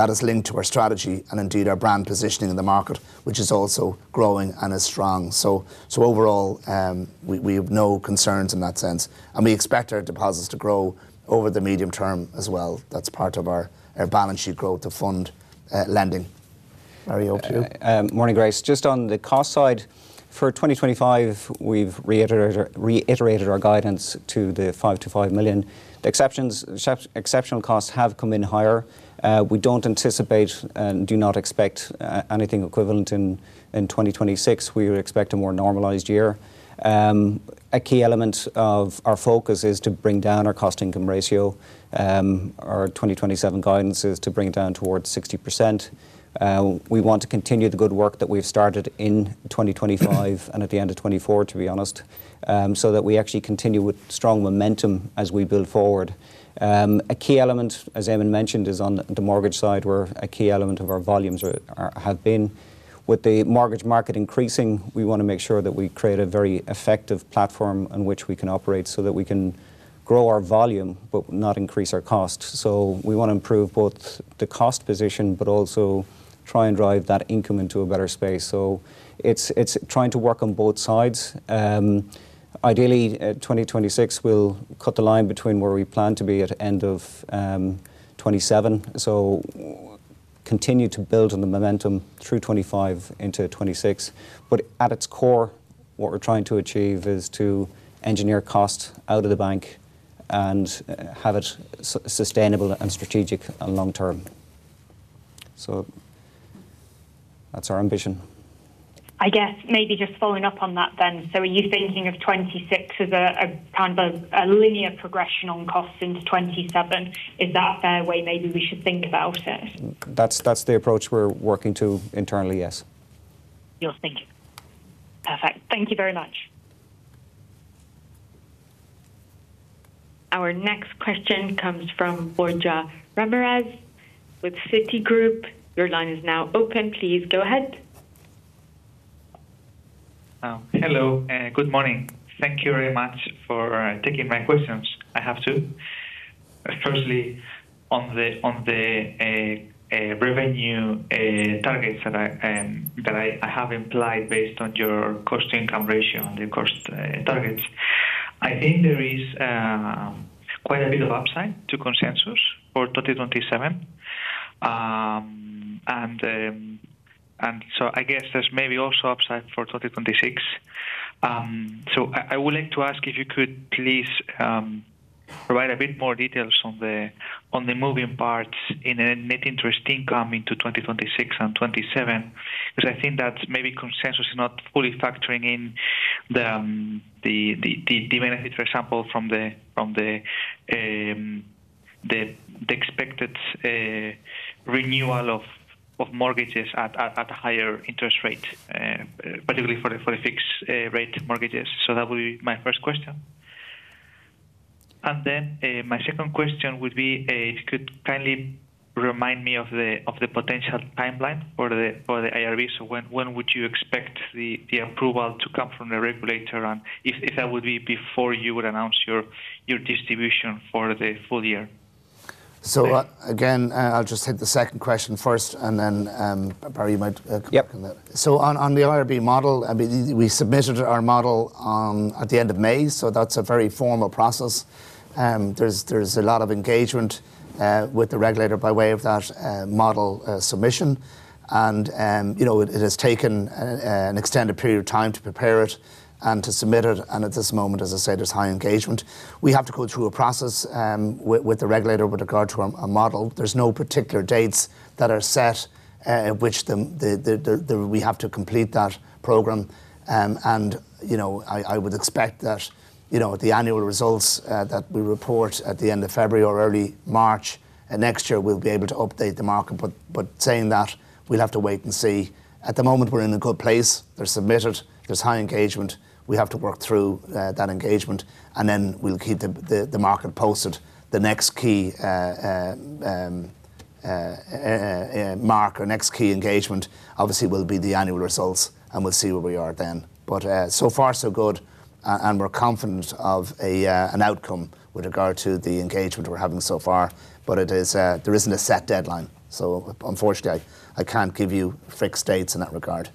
That is linked to our strategy and our brand positioning in the market, which is also growing and is strong. Overall, we have no concerns in that sense. We expect our deposits to grow over the medium term as well. That's part of our balance sheet growth to fund lending. Barry, over to you. Morning, Grace. Just on the cost side, for 2025, we've reiterated our guidance to the 505 million. The exceptional costs have come in higher. We don't anticipate and do not expect anything equivalent in 2026. We would expect a more normalized year. A key element of our focus is to bring down our cost-to-income ratio. Our 2027 guidance is to bring it down towards 60%. We want to continue the good work that we've started in 2025 and at the end of 2024, to be honest, so that we actually continue with strong momentum as we build forward. A key element, as Eamonn mentioned, is on the mortgage side, where a key element of our volumes have been. With the mortgage market increasing, we want to make sure that we create a very effective platform on which we can operate so that we can grow our volume but not increase our cost. We want to improve both the cost position but also try and drive that income into a better space. It's trying to work on both sides. Ideally, 2026 will cut the line between where we plan to be at the end of 2027. Continue to build on the momentum through 2025 into 2026. At its core, what we're trying to achieve is to engineer cost out of the bank and have it sustainable and strategic and long-term. That's our ambition. I guess maybe just following up on that. Are you thinking of 2026 as a kind of a linear progression on costs into 2027? Is that a fair way maybe we should think about it? That's the approach we're working to internally, yes. Perfect. Thank you very much. Our next question comes from Borja Ramirez with Citi Group. Your line is now open. Please go ahead. Hello. Good morning. Thank you very much for taking my questions. I have two. Firstly, on the revenue targets that I have implied based on your cost-to-income ratio and the cost targets, I think there is quite a bit of upside to consensus for 2027. I guess there's maybe also upside for 2026. I would like to ask if you could please provide a bit more details on the moving parts in the net interest income into 2026 and 2027, because I think that maybe consensus is not fully factoring in the benefit, for example, from the expected renewal of mortgages at a higher interest rate, particularly for the fixed-rate mortgages. That would be my first question. My second question would be, could you kindly remind me of the potential timeline for the IRB mortgage model? When would you expect the approval to come from the regulator? Would that be before you would announce your distribution for the full year? I'll just hit the second question first, and then Barry, you might come back on that. On the IRB mortgage model, we submitted our model at the end of May. That is a very formal process. There's a lot of engagement with the regulator by way of that model submission. It has taken an extended period of time to prepare it and to submit it. At this moment, as I said, there's high engagement. We have to go through a process with the regulator with regard to our model. There are no particular dates that are set in which we have to complete that program. I would expect that the annual results that we report at the end of February or early March next year, we'll be able to update the market. Saying that, we'll have to wait and see. At the moment, we're in a good place. They're submitted. There's high engagement. We have to work through that engagement. We'll keep the market posted. The next key mark or next key engagement, obviously, will be the annual results. We'll see where we are then. So far, so good. We're confident of an outcome with regard to the engagement we're having so far. There isn't a set deadline. Unfortunately, I can't give you fixed dates in that regard.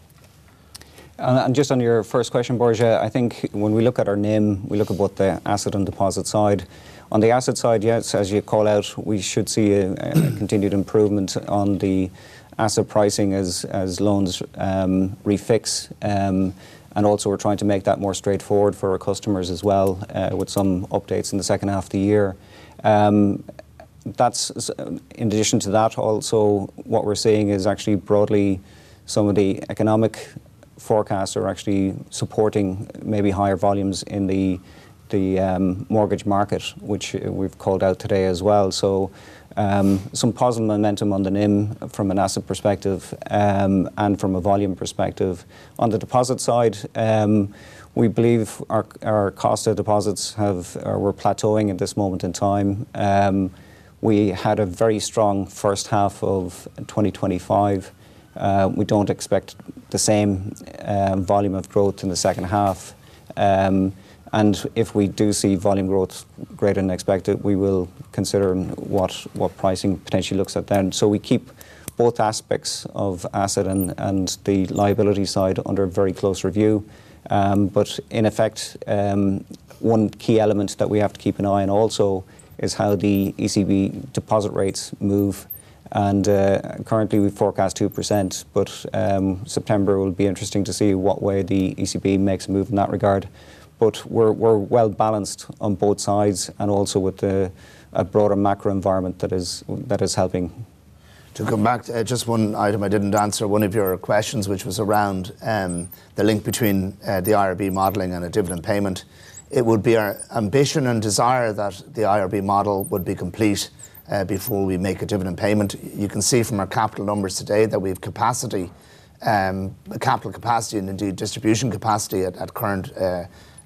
On your first question, Borja, I think when we look at our NIM, we look at both the asset and deposit side. On the asset side, yes, as you call out, we should see a continued improvement on the asset pricing as loans refix. We're trying to make that more straightforward for our customers as well with some updates in the second half of the year. In addition to that, what we're seeing is actually broadly some of the economic forecasts are actually supporting maybe higher volumes in the mortgage market, which we've called out today as well. There is some positive momentum on the NIM from an asset perspective and from a volume perspective. On the deposit side, we believe our cost of deposits were plateauing at this moment in time. We had a very strong first half of 2025. We don't expect the same volume of growth in the second half. If we do see volume growth greater than expected, we will consider what pricing potentially looks at then. We keep both aspects of asset and the liability side under very close review. In effect, one key element that we have to keep an eye on also is how the ECB deposit rates move. Currently, we forecast 2%. September will be interesting to see what way the ECB makes a move in that regard. We're well balanced on both sides and also with the broader macro environment that is helping. To go back to just one item I didn't answer, one of your questions, which was around the link between the IRB mortgage model and a dividend payment. It would be our ambition and desire that the IRB mortgage model would be complete before we make a dividend payment. You can see from our capital numbers today that we have capacity, the capital capacity, and indeed distribution capacity at current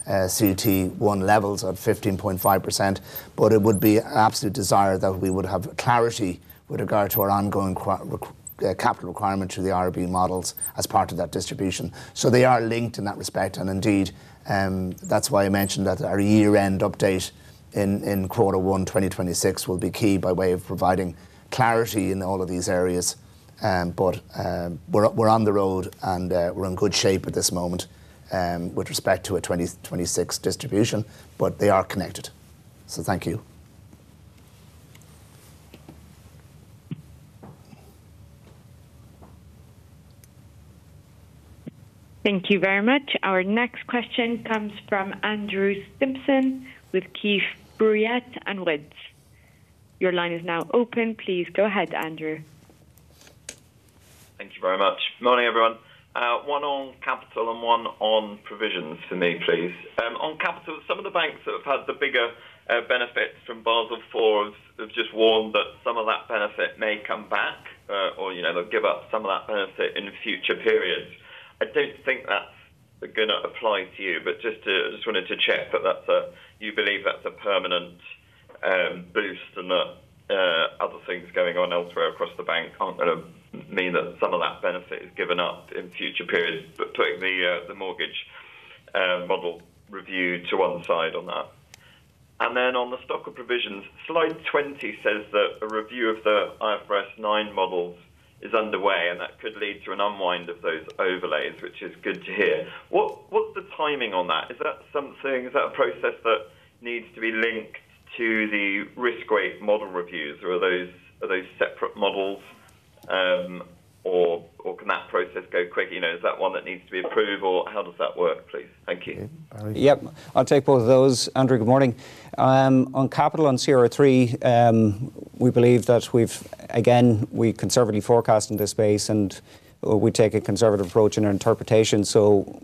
CET1 levels at 15.5%. It would be an absolute desire that we would have clarity with regard to our ongoing capital requirement to the IRB mortgage models as part of that distribution. They are linked in that respect. That is why I mentioned that our year-end update in quarter one 2026 will be key by way of providing clarity in all of these areas. We're on the road and we're in good shape at this moment with respect to a 2026 distribution. They are connected. Thank you. Thank you very much. Our next question comes from Andrew Stimpson with Keefe, Bruyette & Woods. Your line is now open. Please go ahead, Andrew. Thank you very much. Morning, everyone. One on capital and one on provisions for me, please. On capital, some of the banks that have had the bigger benefits from Basel IV have just warned that some of that benefit may come back or they'll give up some of that benefit in future periods. I don't think that's going to apply to you, but I just wanted to check that you believe that's a permanent boost and that other things going on elsewhere across the bank aren't going to mean that some of that benefit is given up in future periods, putting the mortgage model review to one side on that. On the stock of provisions, slide 20 says that a review of the IFRS 9 models is underway and that could lead to an unwind of those overlays, which is good to hear. What's the timing on that? Is that something, is that a process that needs to be linked to the risk-weight model reviews or are those separate models or can that process go quickly? Is that one that needs to be approved or how does that work, please? Thank you. Yep, I'll take both of those. Andrew, good morning. I am on capital and CRR3. We believe that we've, again, we're conservatively forecast in this space and we take a conservative approach in our interpretation.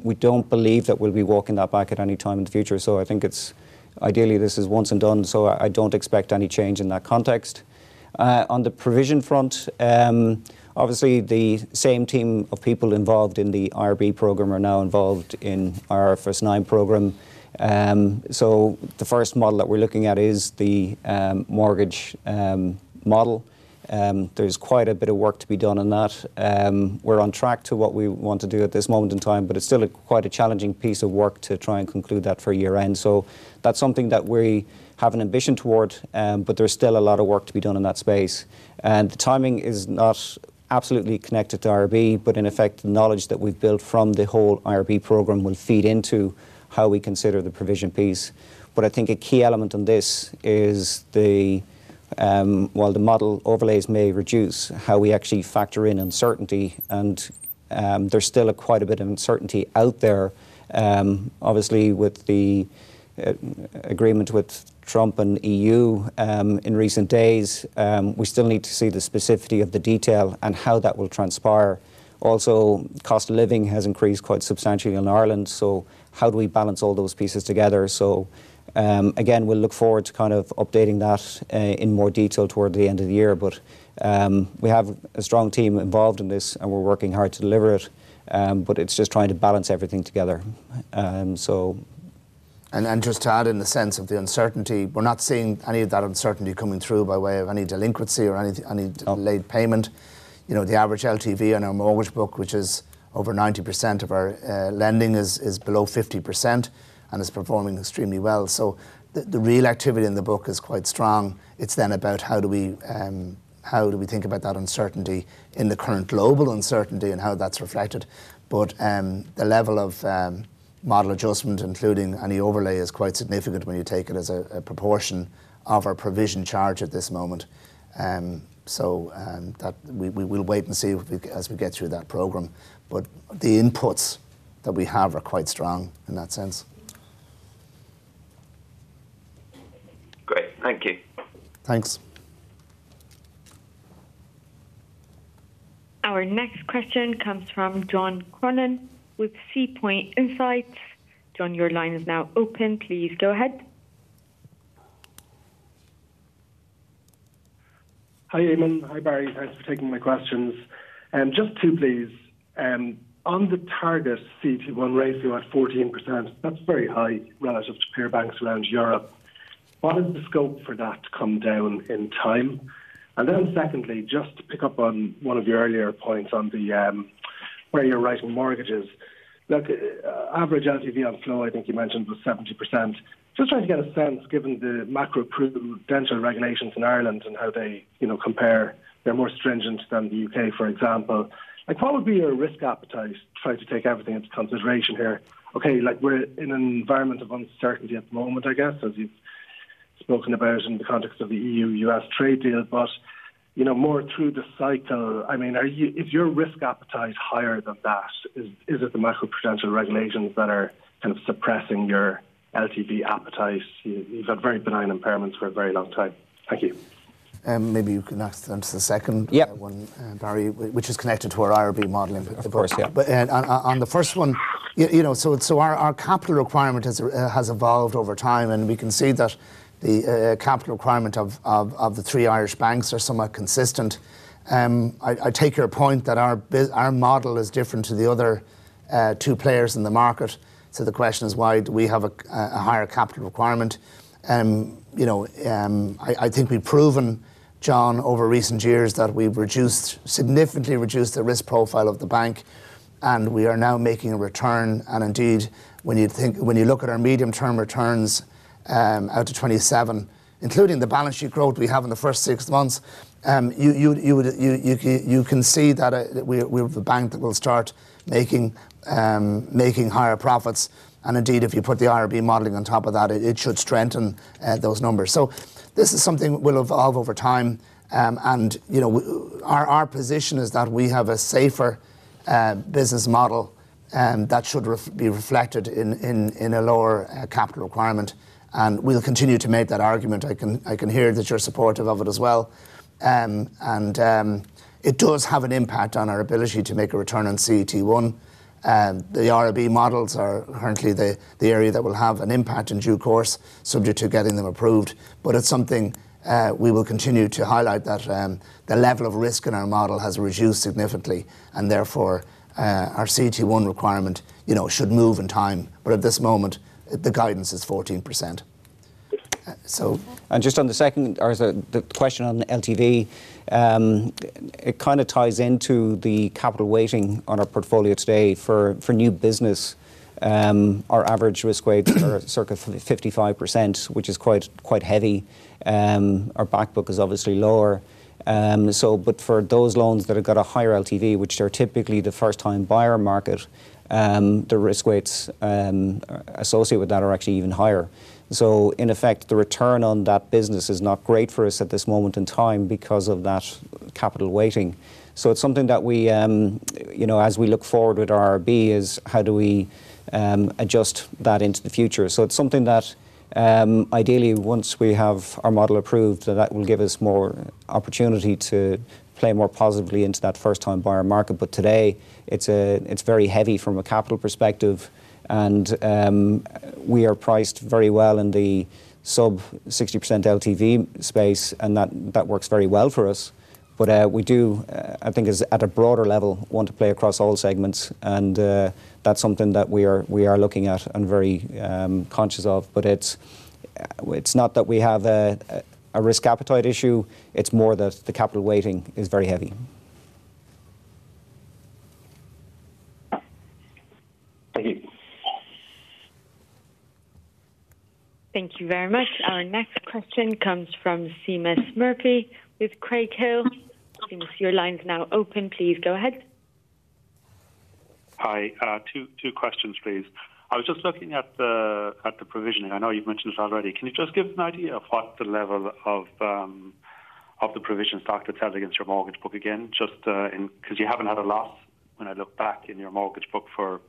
We don't believe that we'll be walking that back at any time in the future. I think ideally this is once and done. I don't expect any change in that context. On the provision front, obviously the same team of people involved in the IRB program are now involved in our IFRS 9 program. The first model that we're looking at is the mortgage model. There's quite a bit of work to be done on that. We're on track to what we want to do at this moment in time, but it's still quite a challenging piece of work to try and conclude that for year-end. That's something that we have an ambition toward, but there's still a lot of work to be done in that space. The timing is not absolutely connected to IRB, but in effect, the knowledge that we've built from the whole IRB program will feed into how we consider the provision piece. I think a key element on this is, while the model overlays may reduce, how we actually factor in uncertainty. There's still quite a bit of uncertainty out there. Obviously, with the agreement with Trump and EU in recent days, we still need to see the specificity of the detail and how that will transpire. Also, cost of living has increased quite substantially in Ireland. How do we balance all those pieces together? We look forward to updating that in more detail toward the end of the year. We have a strong team involved in this and we're working hard to deliver it. It's just trying to balance everything together. Just to add in the sense of the uncertainty, we're not seeing any of that uncertainty coming through by way of any delinquency or any late payment. You know, the average LTV on our mortgage book, which is over 90% of our lending, is below 50% and is performing extremely well. The real activity in the book is quite strong. It's then about how do we think about that uncertainty in the current global uncertainty and how that's reflected. The level of model adjustment, including any overlay, is quite significant when you take it as a proportion of our provision charge at this moment. We'll wait and see as we get through that program. The inputs that we have are quite strong in that sense. Great. Thank you. Thanks. Our next question comes from John Cronin with SeaPoint Insights. John, your line is now open. Please go ahead. Hi, Eamonn. Hi, Barry. Thanks for taking my questions. Just two, please. On the target CET1 ratio at 14%, that's very high relative to peer banks around Europe. What is the scope for that to come down in time? Secondly, just to pick up on one of your earlier points on the way you're writing mortgages, look, average LTV on flow, I think you mentioned, was 70%. Just trying to get a sense, given the macroprudential regulations in Ireland and how they compare, they're more stringent than the U.K., for example. What would be your risk appetite? Trying to take everything into consideration here. Like we're in an environment of uncertainty at the moment, I guess, as you've spoken about in the context of the EU-U.S. trade deal. You know, more through the cycle, I mean, is your risk appetite higher than that? Is it the macroprudential regulations that are kind of suppressing your LTV appetite? You've had very benign impairments for a very long time. Thank you. Maybe you can ask them to the second one, Barry, which is connected to our IRB mortgage model. Of course, yeah. On the first one, our capital requirement has evolved over time, and we can see that the capital requirement of the three Irish banks is somewhat consistent. I take your point that our model is different to the other two players in the market. The question is, why do we have a higher capital requirement? I think we've proven, John, over recent years that we've significantly reduced the risk profile of the bank, and we are now making a return. Indeed, when you look at our medium-term returns out to 2027, including the balance sheet growth we have in the first six months, you can see that we're the bank that will start making higher profits. If you put the IRB mortgage model on top of that, it should strengthen those numbers. This is something that will evolve over time. Our position is that we have a safer business model that should be reflected in a lower capital requirement. We'll continue to make that argument. I can hear that you're supportive of it as well. It does have an impact on our ability to make a return on CET1. The IRB mortgage models are currently the area that will have an impact in due course, subject to getting them approved. It's something we will continue to highlight that the level of risk in our model has reduced significantly. Therefore, our CET1 requirement should move in time. At this moment, the guidance is 14%. On the second question on LTV, it kind of ties into the capital weighting on our portfolio today for new business. Our average risk rates are circa 55%, which is quite heavy. Our backbook is obviously lower. For those loans that have got a higher LTV, which are typically the first-time buyer market, the risk rates associated with that are actually even higher. In effect, the return on that business is not great for us at this moment in time because of that capital weighting. It is something that we, as we look forward with our IRB, is how do we adjust that into the future? Ideally, once we have our model approved, that will give us more opportunity to play more positively into that first-time buyer market. Today, it's very heavy from a capital perspective. We are priced very well in the sub-60% LTV space, and that works very well for us. We do, I think, at a broader level, want to play across all segments. That is something that we are looking at and very conscious of. It is not that we have a risk appetite issue. It is more that the capital weighting is very heavy. Thank you very much. Our next question comes from Seamus Murphy with Carraighill. Your line is now open. Please go ahead. Hi. Two questions, please. I was just looking at the provisioning. I know you've mentioned this already. Can you just give an idea of what the level of the provision stock that's held against your mortgage book again? Just because you haven't had a loss when I look back in your mortgage book for,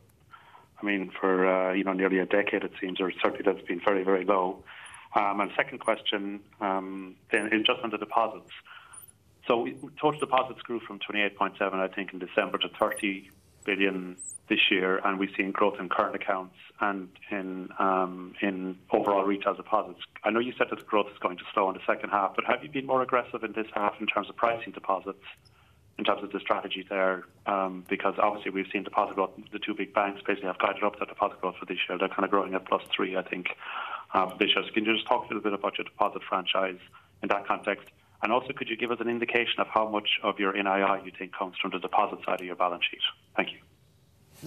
I mean, for nearly a decade, it seems, or certainly that's been very, very low. Second question, just under deposits. Total deposits grew from 28.7 billion in December to 30 billion this year. We've seen growth in current accounts and in overall retail deposits. I know you said that the growth is going to slow in the second half, but have you been more aggressive in this half in terms of pricing deposits, in terms of the strategy there? Obviously, we've seen deposit growth. The two big banks basically have guided up their deposit growth for this year. They're kind of growing at +3%, I think. Can you just talk a little bit about your deposit franchise in that context? Also, could you give us an indication of how much of your NII you think comes from the deposit side of your balance sheet? Thank you.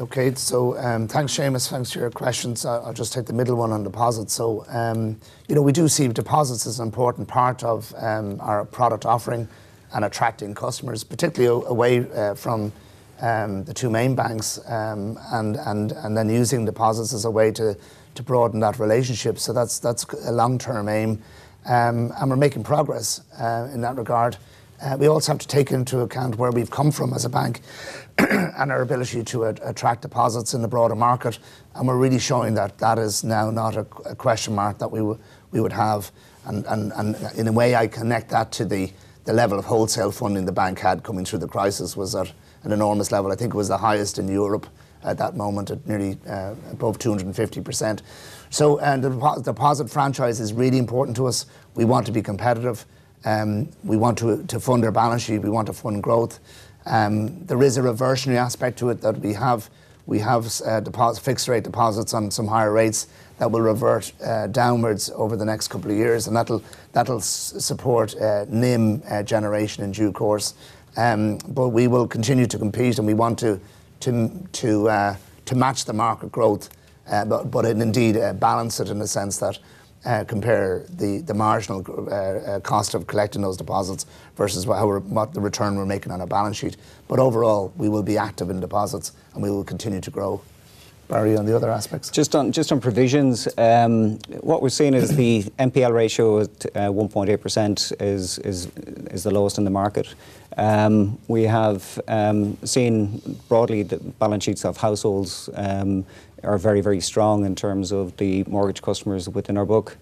Okay. Thanks, Seamus. Thanks for your questions. I'll just take the middle one on deposits. We do see deposits as an important part of our product offering and attracting customers, particularly away from the two main banks, and then using deposits as a way to broaden that relationship. That's a long-term aim, and we're making progress in that regard. We also have to take into account where we've come from as a bank and our ability to attract deposits in the broader market. We're really showing that that is now not a question mark that we would have. In a way, I connect that to the level of wholesale funding the bank had coming through the crisis, which was at an enormous level. I think it was the highest in Europe at that moment at nearly above 250%. The deposit franchise is really important to us. We want to be competitive. We want to fund our balance sheet. We want to fund growth. There is a reversionary aspect to it that we have. We have fixed-rate deposits on some higher rates that will revert downwards over the next couple of years, and that'll support NIM generation in due course. We will continue to compete, and we want to match the market growth, but indeed balance it in the sense that we compare the marginal cost of collecting those deposits versus what the return we're making on our balance sheet. Overall, we will be active in deposits, and we will continue to grow. Barry, on the other aspects. Just on provisions, what we're seeing is the NPL ratio at 1.8% is the lowest in the market. We have seen broadly that balance sheets of households are very, very strong in terms of the mortgage customers within our book.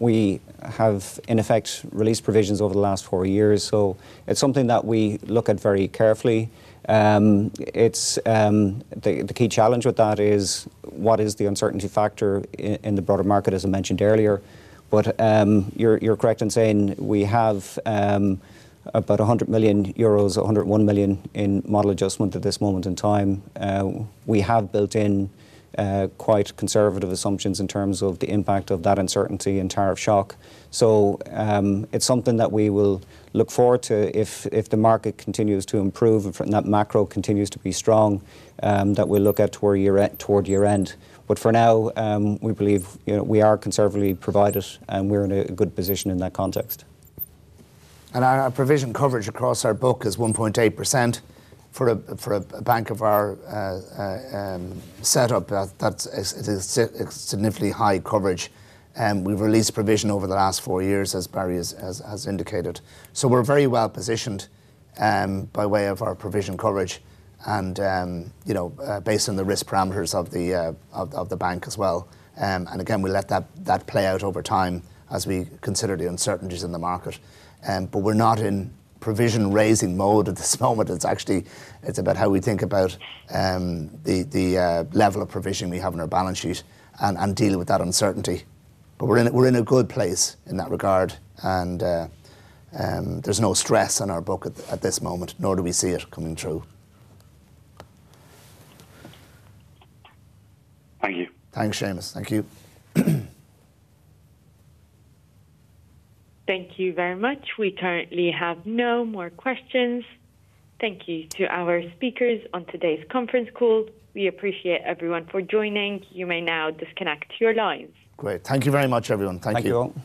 We have, in effect, released provisions over the last four years. It's something that we look at very carefully. The key challenge with that is what is the uncertainty factor in the broader market, as I mentioned earlier. You're correct in saying we have about 100 million euros, 101 million in model adjustment at this moment in time. We have built in quite conservative assumptions in terms of the impact of that uncertainty and tariff shock. It's something that we will look forward to if the market continues to improve and that macro continues to be strong. That we look at toward year end. For now, we believe we are conservatively provided, and we're in a good position in that context. Our provision coverage across our book is 1.8%. For a bank of our setup, that is significantly high coverage. We've released provision over the last four years, as Barry has indicated. We are very well positioned by way of our provision coverage and based on the risk parameters of the bank as well. We let that play out over time as we consider the uncertainties in the market. We're not in provision-raising mode at this moment. It's actually about how we think about the level of provision we have on our balance sheet and deal with that uncertainty. We're in a good place in that regard. There's no stress in our book at this moment, nor do we see it coming through. Thanks, Seamus. Thank you. Thank you very much. We currently have no more questions. Thank you to our speakers on today's conference call. We appreciate everyone for joining. You may now disconnect your lines. Great. Thank you very much, everyone. Thank you. Thank you.